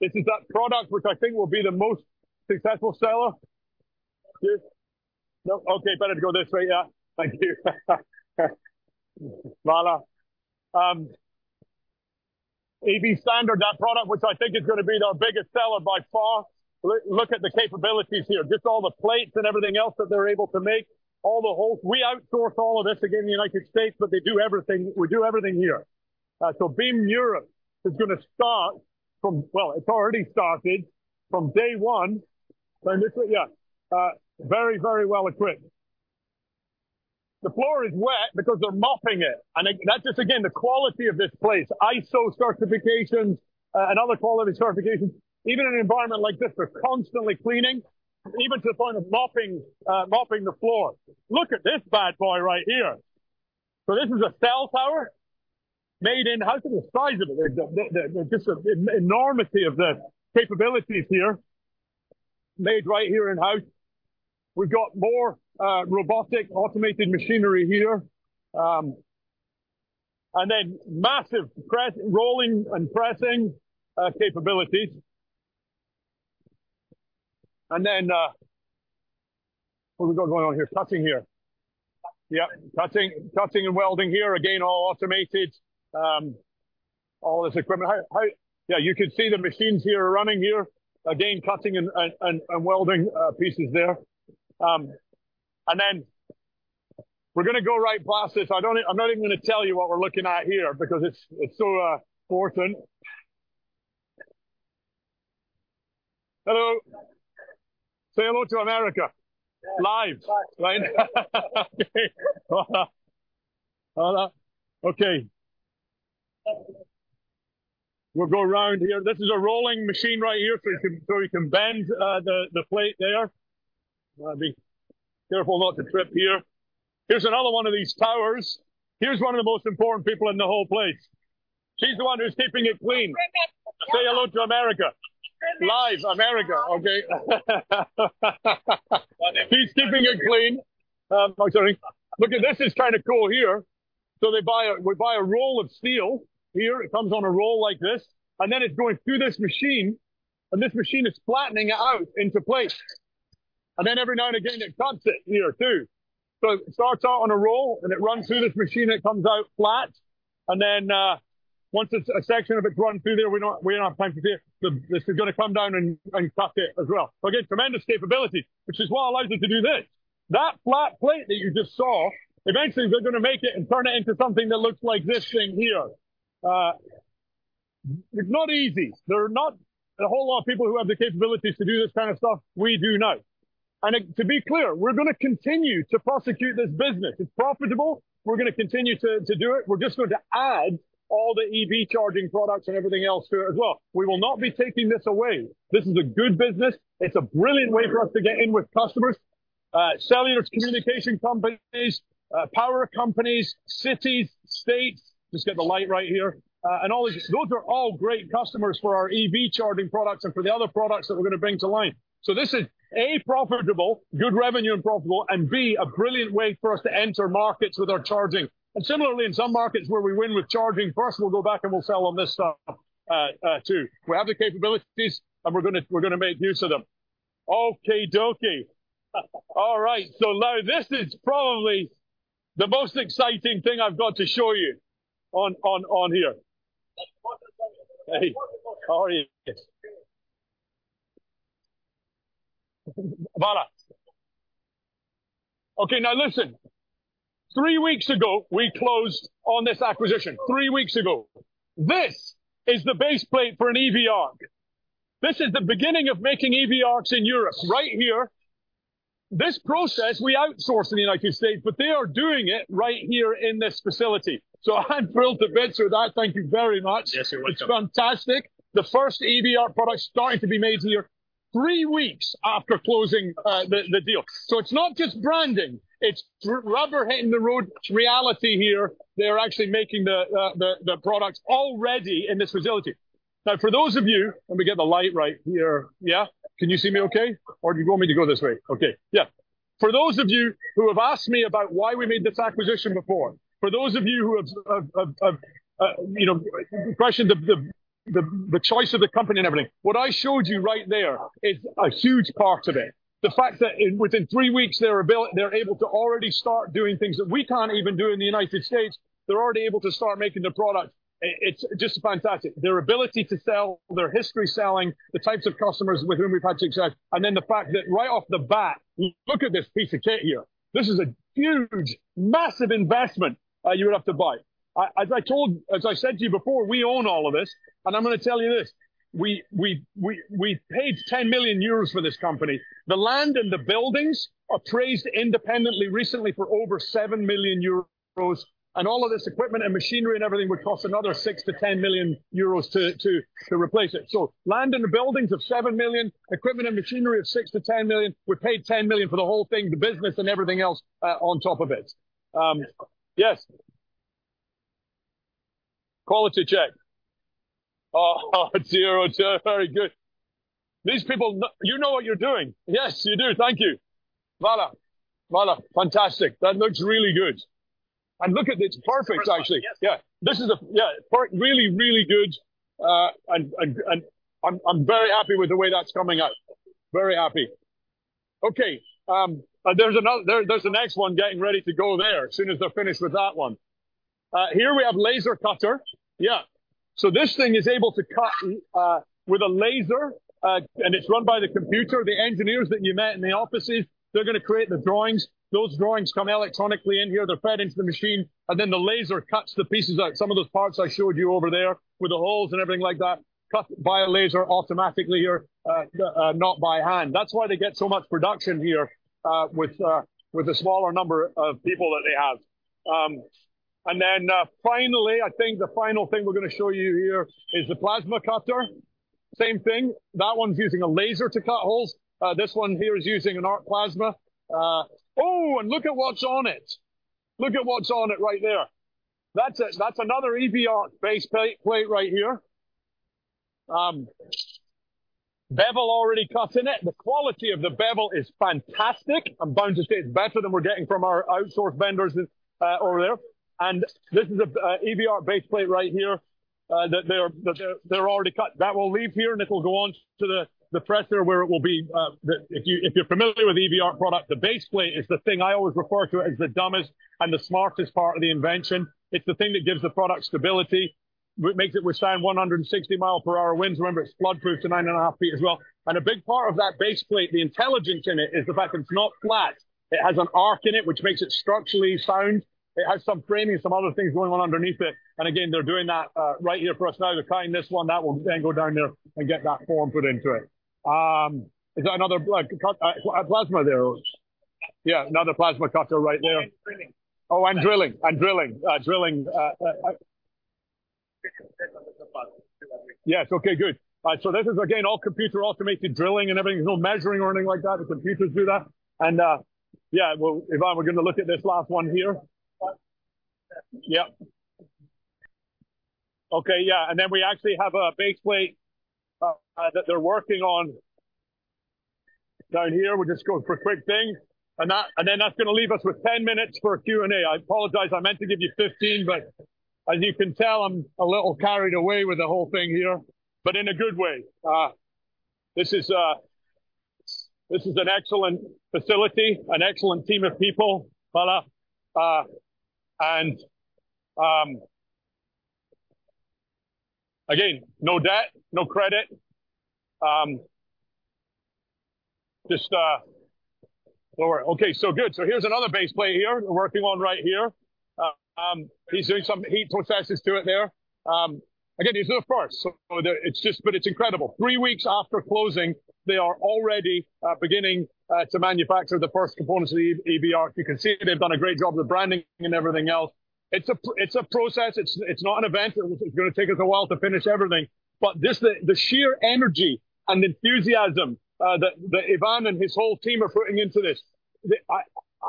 This is that product which I think will be the most successful seller. Here. No. Okay, better to go this way. Yeah. Thank you. Hvala. EV Standard, that product, which I think is gonna be our biggest seller by far. Look at the capabilities here, just all the plates and everything else that they're able to make, all the holes. We outsource all of this again in the United States, but they do everything. We do everything here. So Beam Europe is gonna start from... Well, it's already started from day one. So initially, yeah, very, very well-equipped. The floor is wet because they're mopping it, and that's just, again, the quality of this place. ISO certifications and other quality certifications. Even in an environment like this, they're constantly cleaning, even to the point of mopping, mopping the floor. Look at this bad boy right here. So this is a cell tower made in-house. Look at the size of it, the just enormity of the capabilities here, made right here in-house. We've got more, robotic, automated machinery here. And then massive press, rolling, and pressing capabilities. And then, what we got going on here? Cutting here. Yeah, cutting, cutting and welding here. Again, all automated. All this equipment. Yeah, you can see the machines here are running here. Again, cutting and welding pieces there. And then we're gonna go right past this. I'm not even gonna tell you what we're looking at here because it's, it's so important. Hello! Say hello to America. Live. Live. Okay. Hvala. Hvala. Okay. We'll go around here. This is a rolling machine right here, so you can, so you can bend the plate there. Be careful not to trip here. Here's another one of these towers. Here's one of the most important people in the whole place. She's the one who's keeping it clean. Say hello to America. Say hello to America. America. Live, America, okay? She's keeping it clean. I'm sorry. Look, this is kind of cool here. So they buy we buy a roll of steel here. It comes on a roll like this, and then it's going through this machine, and this machine is flattening it out into place. And then every now and again, it cuts it here too. So it starts out on a roll, and it runs through this machine, and it comes out flat, and then, once it's a section of it run through there, we don't have, we don't have time to see it. This is gonna come down and, and cut it as well. Again, tremendous capability, which is what allows us to do this. That flat plate that you just saw, eventually, they're gonna make it and turn it into something that looks like this thing here. It's not easy. There are not a whole lot of people who have the capabilities to do this kind of stuff. We do now. And to be clear, we're gonna continue to prosecute this business. It's profitable. We're gonna continue to do it. We're just going to add all the EV charging products and everything else to it as well. We will not be taking this away. This is a good business. It's a brilliant way for us to get in with customers, cellular communication companies, power companies, cities, states. Just get the light right here. And all these, those are all great customers for our EV charging products and for the other products that we're gonna bring to line. So this is, A, profitable, good revenue and profitable, and B, a brilliant way for us to enter markets with our charging. And similarly, in some markets where we win with charging first, we'll go back, and we'll sell them this stuff too. We have the capabilities, and we're gonna make use of them. Okey-dokey. All right, so now this is probably the most exciting thing I've got to show you on here. Hey, how are you? Hvala. Okay, now listen, three weeks ago, we closed on this acquisition. Three weeks ago. This is the base plate for an EV ARC. This is the beginning of making EV ARCs in Europe, right here. This process, we outsource in the United States, but they are doing it right here in this facility. So I'm thrilled to bits with that, thank you very much. Yes, you're welcome. It's fantastic. The first EV ARC product starting to be made here three weeks after closing the deal. So it's not just branding, it's rubber hitting the road. It's reality here. They're actually making the products already in this facility. Now, for those of you... Let me get the light right here. Yeah? Can you see me okay, or do you want me to go this way? Okay. Yeah. For those of you who have asked me about why we made this acquisition before, for those of you who have, you know, questioned the choice of the company and everything, what I showed you right there is a huge part of it. The fact that within three weeks, they're able to already start doing things that we can't even do in the United States. They're already able to start making the product. It's just fantastic. Their ability to sell, their history selling, the types of customers with whom we've had success, and then the fact that right off the bat, look at this piece of kit here. This is a huge, massive investment you would have to buy. As I said to you before, we own all of this, and I'm gonna tell you this, we paid 10 million euros for this company. The land and the buildings are appraised independently recently for over 7 million euros, and all of this equipment and machinery and everything would cost another 6 million-10 million euros to replace it. So land and the buildings of 7 million, equipment and machinery of 6 million-10 million. We paid $10 million for the whole thing, the business and everything else, on top of it. Yes? Quality check. Oh, zero, very good. These people know you know what you're doing. Yes, you do. Thank you. Hvala, Hvala, fantastic. That looks really good. And look at it, it's perfect, actually. Yes. Yeah, this is a really, really good, and I'm very happy with the way that's coming out. Very happy. Okay, there's another there, there's the next one getting ready to go there as soon as they're finished with that one. Here we have laser cutter. Yeah. So this thing is able to cut with a laser, and it's run by the computer. The engineers that you met in the offices, they're gonna create the drawings. Those drawings come electronically in here. They're fed into the machine, and then the laser cuts the pieces out. Some of the parts I showed you over there with the holes and everything like that, cut by a laser automatically here, not by hand. That's why they get so much production here, with a smaller number of people that they have. And then, finally, I think the final thing we're gonna show you here is the plasma cutter. Same thing, that one's using a laser to cut holes. This one here is using an arc plasma. Oh, and look at what's on it. Look at what's on it right there. That's another EV ARC base plate right here. Bevel already cut in it. The quality of the bevel is fantastic. I'm bound to say it's better than we're getting from our outsourced vendors over there. And this is a EV ARC base plate right here that they're already cut. That will leave here, and it will go on to the presser where it will be the... If you're familiar with EV ARC product, the base plate is the thing I always refer to as the dumbest and the smartest part of the invention. It's the thing that gives the product stability, makes it withstand 160-mile-per-hour winds. Remember, it's flood proof to 9.5 feet as well. And a big part of that base plate, the intelligence in it, is the fact that it's not flat. It has an arc in it, which makes it structurally sound. It has some framing, some other things going on underneath it, and again, they're doing that right here for us now. They're cutting this one. That will then go down there and get that form put into it. Is that another cut plasma there? Yeah, another plasma cutter right there. Drilling. Oh, and drilling. Yes, okay, good. So this is, again, all computer-automated drilling and everything. There's no measuring or anything like that. The computers do that, and, yeah, well, Ivan, we're gonna look at this last one here. Yeah. Yep. Okay, yeah, and then we actually have a base plate that they're working on down here. We'll just go for a quick thing, and then that's gonna leave us with 10 minutes for a Q&A. I apologize. I meant to give you 15, but as you can tell, I'm a little carried away with the whole thing here, but in a good way. This is an excellent facility, an excellent team of people. Hvala, and... Again, no debt, no credit. Just... All right, okay, so good. So here's another base plate here we're working on right here. He's doing some heat processes to it there. Again, these are the first, so it's just, but it's incredible. Three weeks after closing, they are already beginning to manufacture the first components of the EV ARC. You can see it. They've done a great job with the branding and everything else. It's a process. It's not an event. It's gonna take us a while to finish everything, but this, the sheer energy and enthusiasm that Ivan and his whole team are putting into this.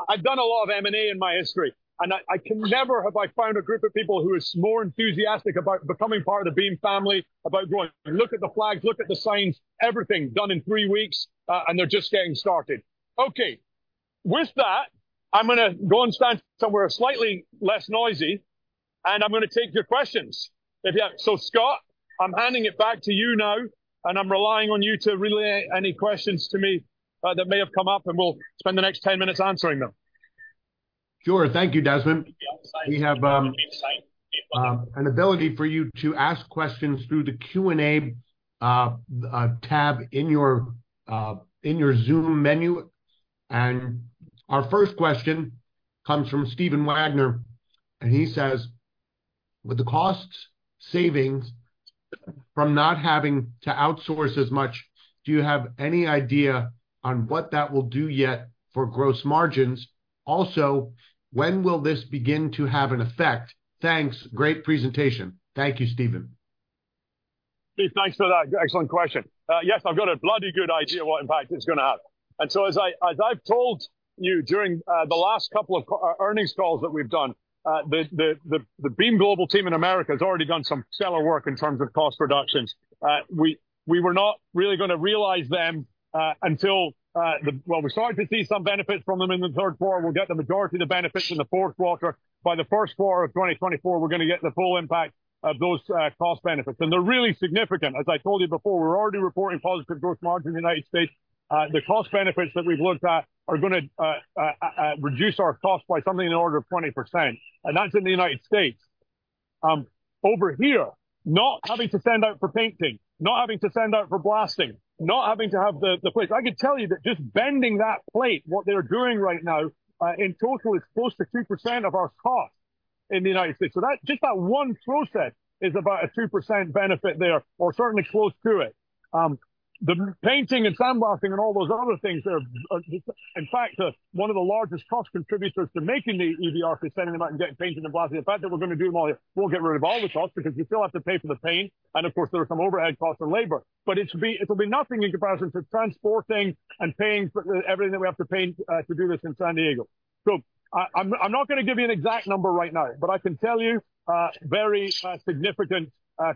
I've done a lot of M&A in my history, and I can never have I found a group of people who is more enthusiastic about becoming part of the Beam family, about growing. Look at the flags, look at the signs, everything done in three weeks, and they're just getting started. Okay, with that, I'm gonna go and stand somewhere slightly less noisy, and I'm gonna take your questions. So, Scott, I'm handing it back to you now, and I'm relying on you to relay any questions to me that may have come up, and we'll spend the next 10 minutes answering them. Sure. Thank you, Desmond. We have an ability for you to ask questions through the Q&A tab in your Zoom menu. Our first question comes from Steven Wagner, and he says: "With the cost savings from not having to outsource as much, do you have any idea on what that will do yet for gross margins? Also, when will this begin to have an effect? Thanks. Great presentation." Thank you, Steven. Steve, thanks for that excellent question. Yes, I've got a bloody good idea what impact it's gonna have. So as I've told you during the last couple of earnings calls that we've done, the Beam Global team in America has already done some stellar work in terms of cost reductions. We were not really gonna realize them until the... Well, we're starting to see some benefits from them in the third quarter. We'll get the majority of the benefits in the fourth quarter. By the first quarter of 2024, we're gonna get the full impact of those cost benefits, and they're really significant. As I told you before, we're already reporting positive gross margin in the United States. The cost benefits that we've looked at are gonna reduce our cost by something in the order of 20%, and that's in the United States. Over here, not having to send out for painting, not having to send out for blasting, not having to have the plates. I can tell you that just bending that plate, what they're doing right now, in total is close to 2% of our cost in the United States. So that, just that one process is about a 2% benefit there or certainly close to it. The painting and sandblasting and all those other things are, in fact, one of the largest cost contributors to making the EV ARC, sending them out and getting painted and blasted. The fact that we're gonna do more, we'll get rid of all the costs because you still have to pay for the paint, and of course, there are some overhead costs and labor. But it'll be nothing in comparison to transporting and paying for everything that we have to pay to do this in San Diego. So I'm not gonna give you an exact number right now, but I can tell you very significant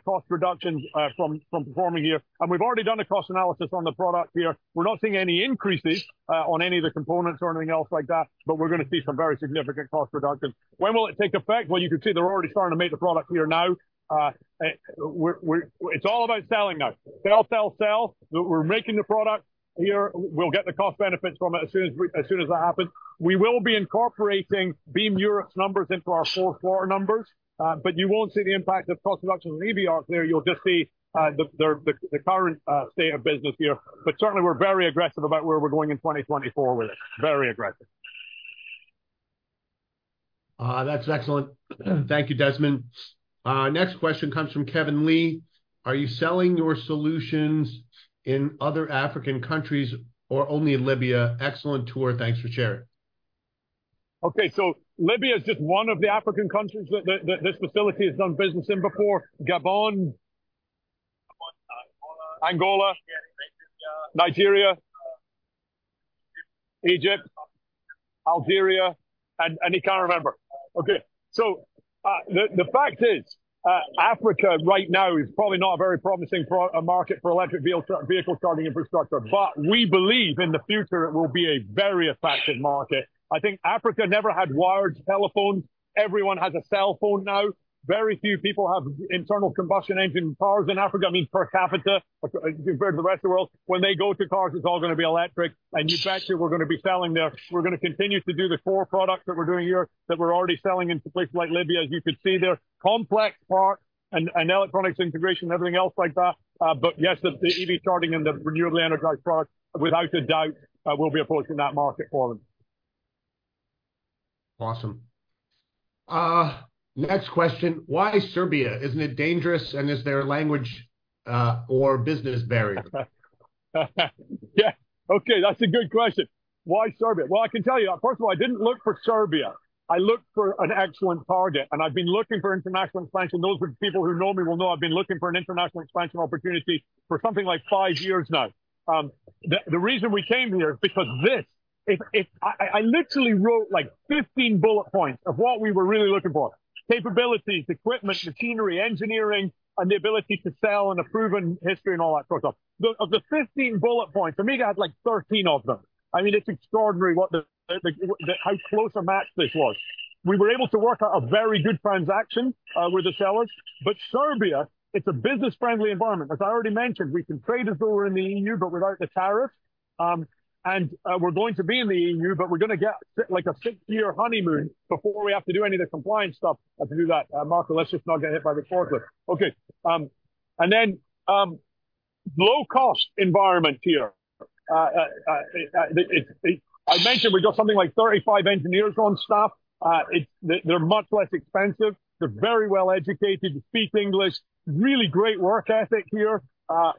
cost reductions from performing here. And we've already done a cost analysis on the product here. We're not seeing any increases on any of the components or anything else like that, but we're gonna see some very significant cost reductions. When will it take effect? Well, you can see they're already starting to make the product here now. We're... It's all about selling now. Sell, sell, sell. We're making the product here. We'll get the cost benefits from it as soon as that happens. We will be incorporating Beam Europe's numbers into our full quarter numbers, but you won't see the impact of cost reductions in EV ARC there. You'll just see the current state of business here. But certainly, we're very aggressive about where we're going in 2024 with it. Very aggressive. That's excellent. Thank you, Desmond. Next question comes from Kevin Lee: "Are you selling your solutions in other African countries or only in Libya? Excellent tour. Thanks for sharing. Okay, so Libya is just one of the African countries that this facility has done business in before. Gabon, Angola, Nigeria, Egypt, Algeria, and he can't remember. Okay, so the fact is, Africa right now is probably not a very promising market for electric vehicle charging infrastructure, but we believe in the future it will be a very effective market. I think Africa never had wired telephones. Everyone has a cell phone now. Very few people have internal combustion engine cars in Africa, I mean, per capita, compared to the rest of the world. When they go to cars, it's all gonna be electric, and in fact, we're gonna be selling there. We're gonna continue to do the core products that we're doing here, that we're already selling into places like Libya. As you can see, they're complex parts and electronics integration, everything else like that. But yes, the EV charging and the renewably energized product, without a doubt, will be a focus in that market for them. Awesome. Next question: "Why Serbia? Isn't it dangerous, and is there a language, or business barrier? Yeah. Okay, that's a good question. Why Serbia? Well, I can tell you, first of all, I didn't look for Serbia. I looked for an excellent target, and I've been looking for international expansion. Those people who know me will know I've been looking for an international expansion opportunity for something like five years now. The reason we came here is because this... I literally wrote, like, 15 bullet points of what we were really looking for: capabilities, equipment, machinery, engineering, and the ability to sell and a proven history and all that sort of stuff. Of the 15 bullet points, Amiga had, like, 13 of them. I mean, it's extraordinary what... how close a match this was. We were able to work out a very good transaction with the sellers. But Serbia, it's a business-friendly environment. As I already mentioned, we can trade as though we're in the EU, but without the tariff. We're going to be in the EU, but we're gonna get like, a six-year honeymoon before we have to do any of the compliance stuff. To do that. Marco, let's just not get hit by the forklift. Okay, low-cost environment here. I mentioned we've got something like 35 engineers on staff. They're much less expensive. They're very well-educated, speak English, really great work ethic here. You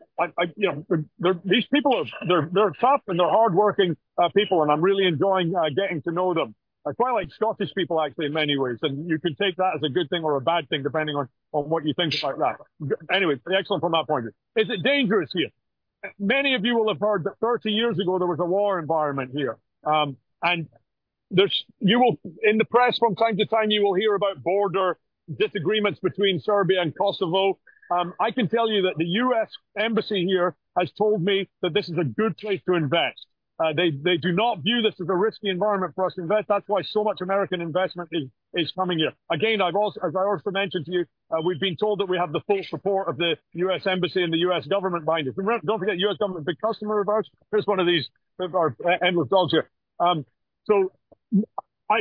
know, these people are tough, and they're hardworking people, and I'm really enjoying getting to know them. They're quite like Scottish people, actually, in many ways, and you can take that as a good thing or a bad thing, depending on what you think about that. Anyway, excellent from that point of view. Is it dangerous here? Many of you will have heard that 30 years ago there was a war environment here. You will... In the press from time to time, you will hear about border disagreements between Serbia and Kosovo. I can tell you that the U.S. Embassy here has told me that this is a good place to invest. They do not view this as a risky environment for us to invest. That's why so much American investment is coming here. Again, I've also, as I also mentioned to you, we've been told that we have the full support of the U.S. Embassy and the U.S. government behind us. Remember, don't forget, U.S. government is a big customer of ours. Here's one of these, of our EV ARCs here. So,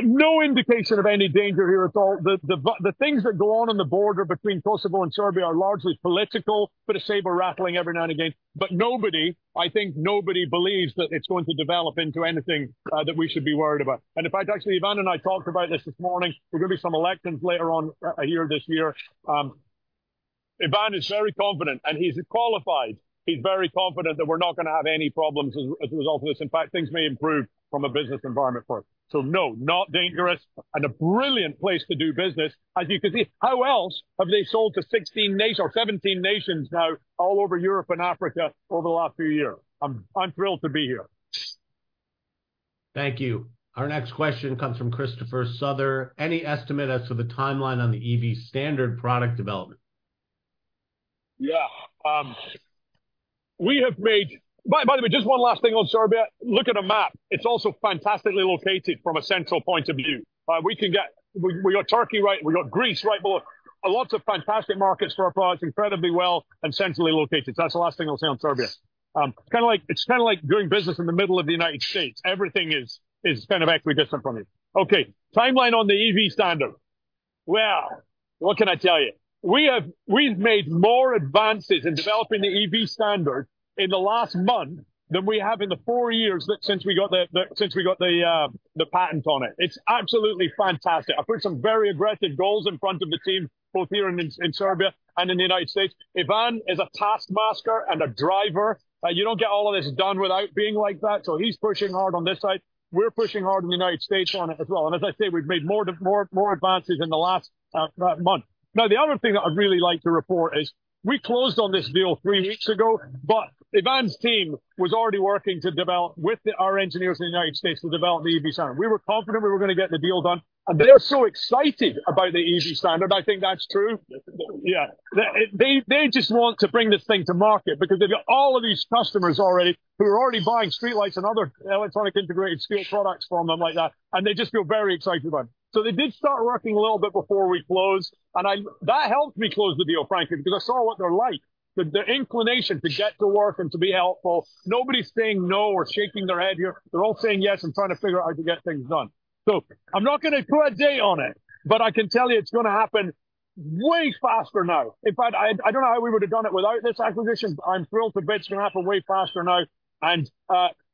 no indication of any danger here at all. The things that go on on the border between Kosovo and Serbia are largely political, a bit of saber-rattling every now and again. But nobody, I think nobody believes that it's going to develop into anything that we should be worried about. And in fact, actually, Ivan and I talked about this this morning. There are gonna be some elections later on here this year. Ivan is very confident, and he's qualified. He's very confident that we're not gonna have any problems as a result of this. In fact, things may improve from a business environment for us. So no, not dangerous, and a brilliant place to do business. As you can see, how else have they sold to 16 nations or 17 nations now all over Europe and Africa over the last few years? I'm thrilled to be here. Thank you. Our next question comes from Christopher Souther. Any estimate as to the timeline on the EV Standard product development? Yeah. We have made... By the way, just one last thing on Serbia. Look at a map. It's also fantastically located from a central point of view. We can get-- we got Turkey, right? We got Greece right below. Lots of fantastic markets for our products, incredibly well and centrally located. So that's the last thing I'll say on Serbia. It's kinda like, it's kinda like doing business in the middle of the United States. Everything is kind of equidistant from you. Okay, timeline on the EV Standard. Well, what can I tell you? We have-- We've made more advances in developing the EV Standard in the last month than we have in the four years since we got the patent on it. It's absolutely fantastic. I've put some very aggressive goals in front of the team, both here in, in Serbia and in the United States. Ivan is a taskmaster and a driver. You don't get all of this done without being like that, so he's pushing hard on this side. We're pushing hard in the United States on it as well, and as I say, we've made more, more, more advances in the last month. Now, the other thing that I'd really like to report is we closed on this deal three weeks ago, but Ivan's team was already working to develop with our engineers in the United States to develop the EV Standard. We were confident we were gonna get the deal done, and they're so excited about the EV Standard. I think that's true. Yeah. They just want to bring this thing to market because they've got all of these customers already who are already buying streetlights and other electronic integrated street products from them like that, and they just feel very excited about it. So they did start working a little bit before we closed, and I, that helped me close the deal, frankly, because I saw what they're like. The inclination to get to work and to be helpful. Nobody's saying no or shaking their head here. They're all saying yes and trying to figure out how to get things done. So I'm not gonna put a date on it, but I can tell you it's gonna happen way faster now. In fact, I don't know how we would have done it without this acquisition. I'm thrilled to bits it's gonna happen way faster now, and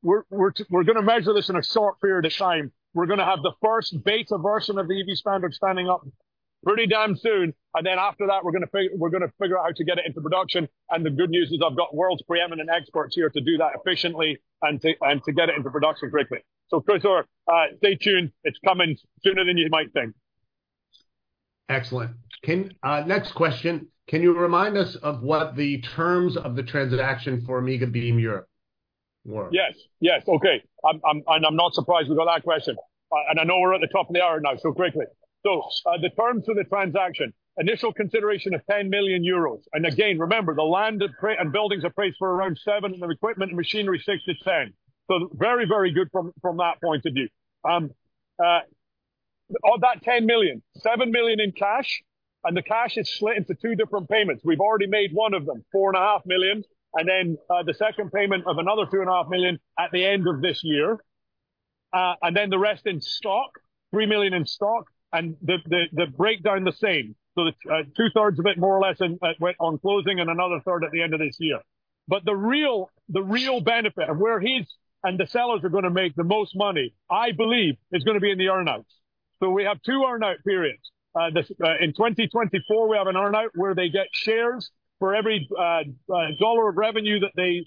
we're gonna measure this in a short period of time. We're gonna have the first beta version of the EV Standard standing up pretty damn soon, and then after that, we're gonna figure out how to get it into production. And the good news is I've got the world's preeminent experts here to do that efficiently and to get it into production quickly. So Christopher, stay tuned. It's coming sooner than you might think. Excellent. Next question: Can you remind us of what the terms of the transaction for Amiga Beam Europe were? Yes, yes. Okay. I'm not surprised we got that question. And I know we're at the top of the hour now, so quickly. So, the terms of the transaction, initial consideration of 10 million euros. And again, remember, the land and property and buildings are priced for around 7, and the equipment and machinery, 6-10. So very, very good from that point of view. Of that 10 million, 7 million in cash, and the cash is split into two different payments. We've already made one of them, 4.5 million, and then the second payment of another 2.5 million at the end of this year. And then the rest in stock, 3 million in stock, and the breakdown the same. So the two-thirds of it, more or less, went in on closing and another third at the end of this year. But the real, the real benefit of where he's and the sellers are gonna make the most money, I believe, is gonna be in the earn-outs. So we have two earn-out periods. In 2024, we have an earn-out where they get shares for every dollar of revenue that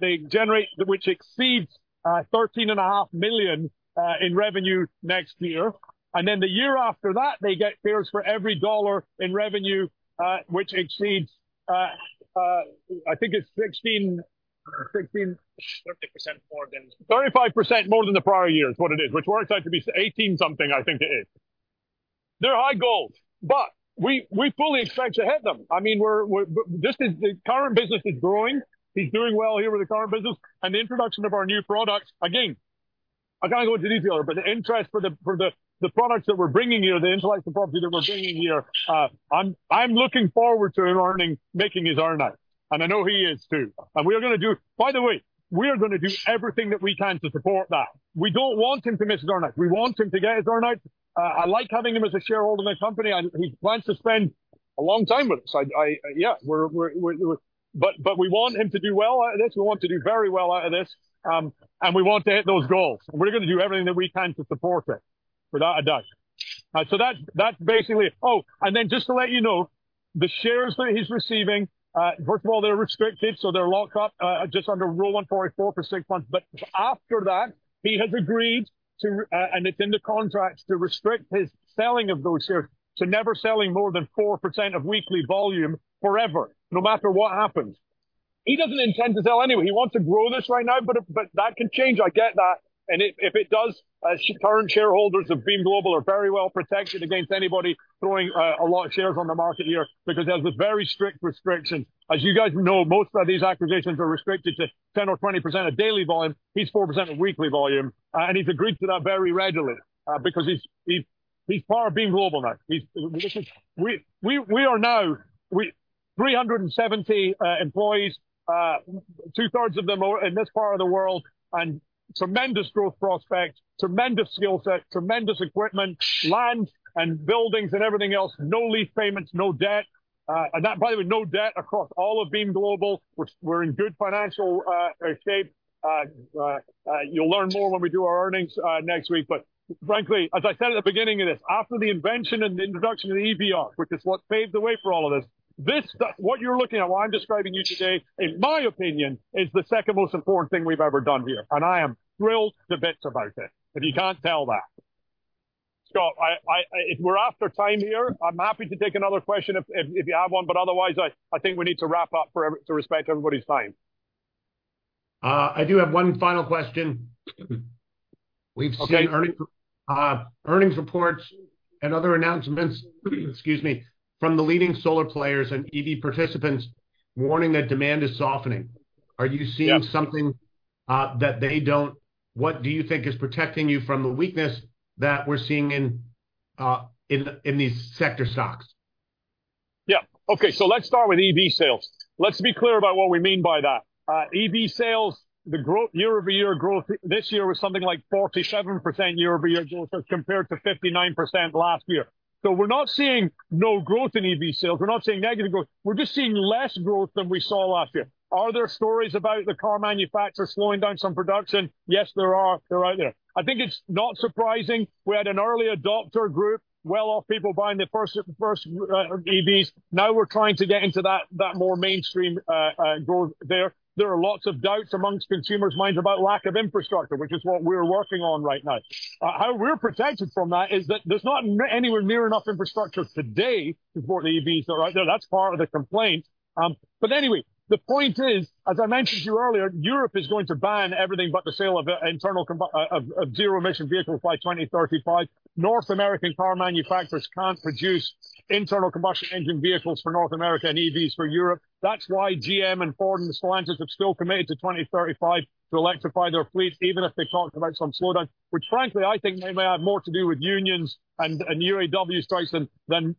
they generate, which exceeds $13.5 million in revenue next year. And then the year after that, they get shares for every dollar in revenue which exceeds, I think it's 16, 16-35% more than-35% more than the prior year is what it is, which works out to be 18 something, I think it is. They're high goals, but we fully expect to hit them. I mean, we're—this is, the current business is growing. He's doing well here with the current business, and the introduction of our new products. Again, I can't go into detail, but the interest for the products that we're bringing here, the intellectual property that we're bringing here, I'm looking forward to him earning, making his earn-out, and I know he is too. And we are gonna do—By the way, we are gonna do everything that we can to support that. We don't want him to miss his earn-out. We want him to get his earn-out. I like having him as a shareholder in the company, and he plans to spend a long time with us. Yeah, we're. But we want him to do well out of this. We want to do very well out of this, and we want to hit those goals. We're gonna do everything that we can to support it, without a doubt. So that's basically it. Oh, and then just to let you know, the shares that he's receiving, first of all, they're restricted, so they're locked up just under Rule 144 for six months. But after that, he has agreed to, and it's in the contract, to restrict his selling of those shares to never selling more than 4% of weekly volume forever, no matter what happens. He doesn't intend to sell anyway. He wants to grow this right now, but that can change. I get that, and if, if it does, current shareholders of Beam Global are very well protected against anybody throwing a lot of shares on the market here because there's a very strict restriction. As you guys know, most of these acquisitions are restricted to 10% or 20% of daily volume. He's 4% of weekly volume, and he's agreed to that very readily, because he's part of Beam Global now. He's, this is - we are now 370 employees, two-thirds of them are in this part of the world, and tremendous growth prospects, tremendous skill set, tremendous equipment, land and buildings and everything else. No lease payments, no debt. And by the way, no debt across all of Beam Global. We're in good financial shape. You'll learn more when we do our earnings next week. But frankly, as I said at the beginning of this, after the invention and the introduction of the EV ARC, which is what paved the way for all of this, this, what you're looking at, what I'm describing to you today, in my opinion, is the second most important thing we've ever done here, and I am thrilled to bits about it, if you can't tell that. Scott, we're after time here. I'm happy to take another question if you have one, but otherwise, I think we need to wrap up to respect everybody's time. I do have one final question. Okay. We've seen earning, earnings reports and other announcements, excuse me, from the leading solar players and EV participants warning that demand is softening. Yep. Are you seeing something that they don't? What do you think is protecting you from the weakness that we're seeing in these sector stocks? Yeah. Okay, so let's start with EV sales. Let's be clear about what we mean by that. EV sales, the growth, year-over-year growth this year was something like 47% year-over-year growth as compared to 59% last year. So we're not seeing no growth in EV sales. We're not seeing negative growth. We're just seeing less growth than we saw last year. Are there stories about the car manufacturers slowing down some production? Yes, there are. They're out there. I think it's not surprising. We had an early adopter group, well-off people buying their first EVs. Now we're trying to get into that more mainstream growth there. There are lots of doubts among consumers' minds about lack of infrastructure, which is what we're working on right now. How we're protected from that is that there's not anywhere near enough infrastructure today to support the EVs, so right there, that's part of the complaint. But anyway, the point is, as I mentioned to you earlier, Europe is going to ban everything but the sale of zero-emission vehicles by 2035. North American car manufacturers can't produce internal combustion engine vehicles for North America and EVs for Europe. That's why GM and Ford and Stellantis have still committed to 2035 to electrify their fleet, even if they talked about some slowdown, which frankly, I think may have more to do with unions and UAW strikes than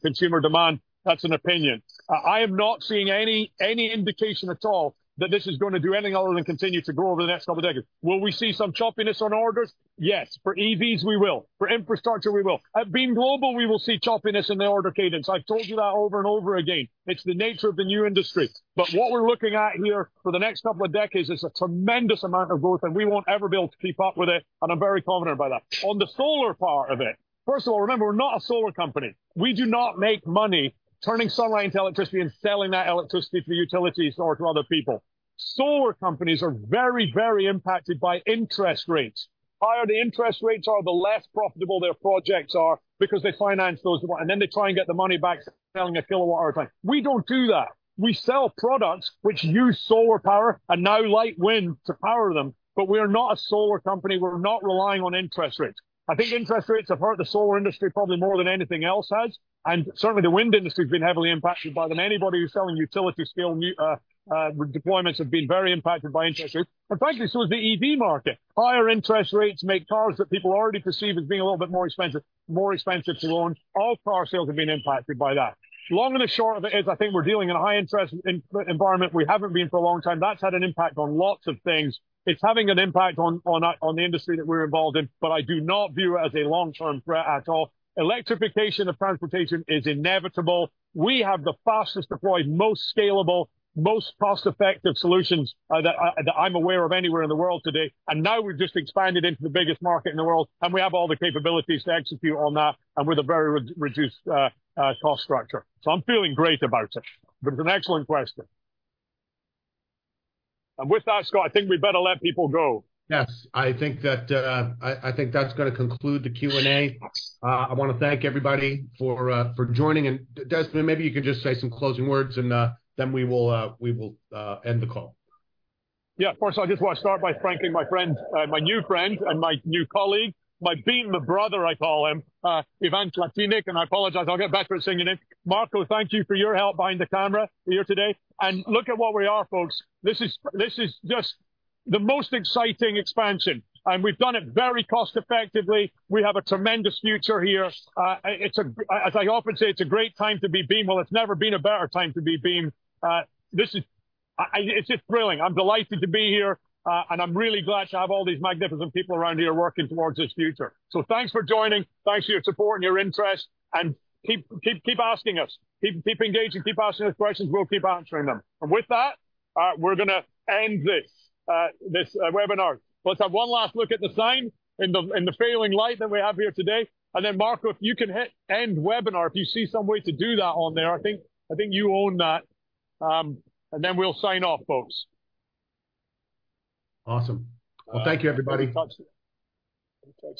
consumer demand. That's an opinion. I am not seeing any indication at all that this is gonna do anything other than continue to grow over the next couple of decades. Will we see some choppiness on orders? Yes. For EVs, we will. For infrastructure, we will. At Beam Global, we will see choppiness in the order cadence. I've told you that over and over again. It's the nature of the new industry. But what we're looking at here for the next couple of decades is a tremendous amount of growth, and we won't ever be able to keep up with it, and I'm very confident about that. On the solar part of it, first of all, remember, we're not a solar company. We do not make money turning sunlight into electricity and selling that electricity to utilities or to other people. Solar companies are very, very impacted by interest rates. Higher the interest rates are, the less profitable their projects are because they finance those, and then they try and get the money back selling a kilowatt hour at a time. We don't do that. We sell products which use solar power and now light wind to power them, but we are not a solar company. We're not relying on interest rates. I think interest rates have hurt the solar industry probably more than anything else has, and certainly the wind industry has been heavily impacted by them. Anybody who's selling utility-scale deployments have been very impacted by interest rates, and frankly, so is the EV market. Higher interest rates make cars that people already perceive as being a little bit more expensive, more expensive to own. All car sales have been impacted by that. The long and the short of it is, I think we're dealing in a high interest environment. We haven't been for a long time. That's had an impact on lots of things. It's having an impact on, on, on the industry that we're involved in, but I do not view it as a long-term threat at all. Electrification of transportation is inevitable. We have the fastest deployed, most scalable, most cost-effective solutions, that I, that I'm aware of anywhere in the world today, and now we've just expanded into the biggest market in the world, and we have all the capabilities to execute on that and with a very reduced, cost structure. So I'm feeling great about it, but it's an excellent question. With that, Scott, I think we better let people go. Yes, I think that, I think that's gonna conclude the Q&A. Yes. I wanna thank everybody for joining, and Desmond, maybe you could just say some closing words, and then we will end the call. Yeah, of course. I just want to start by thanking my friend, my new friend and my new colleague, my Beam brother, I call him, Ivan Tlačinac, and I apologize. I'll get back to saying your name. Marco, thank you for your help behind the camera here today. And look at what we are, folks. This is, this is just the most exciting expansion, and we've done it very cost effectively. We have a tremendous future here. It's a... As I often say, it's a great time to be Beam. Well, it's never been a better time to be Beam. This is, it's just thrilling. I'm delighted to be here, and I'm really glad to have all these magnificent people around here working towards this future. So thanks for joining. Thanks for your support and your interest, and keep, keep, keep asking us, keep, keep engaging, keep asking us questions. We'll keep answering them. And with that, we're gonna end this webinar. Let's have one last look at the sign in the failing light that we have here today. And then, Marco, if you can hit End Webinar, if you see some way to do that on there, I think, I think you own that. And then we'll sign off, folks. Awesome. Well, thank you, everybody. Thanks.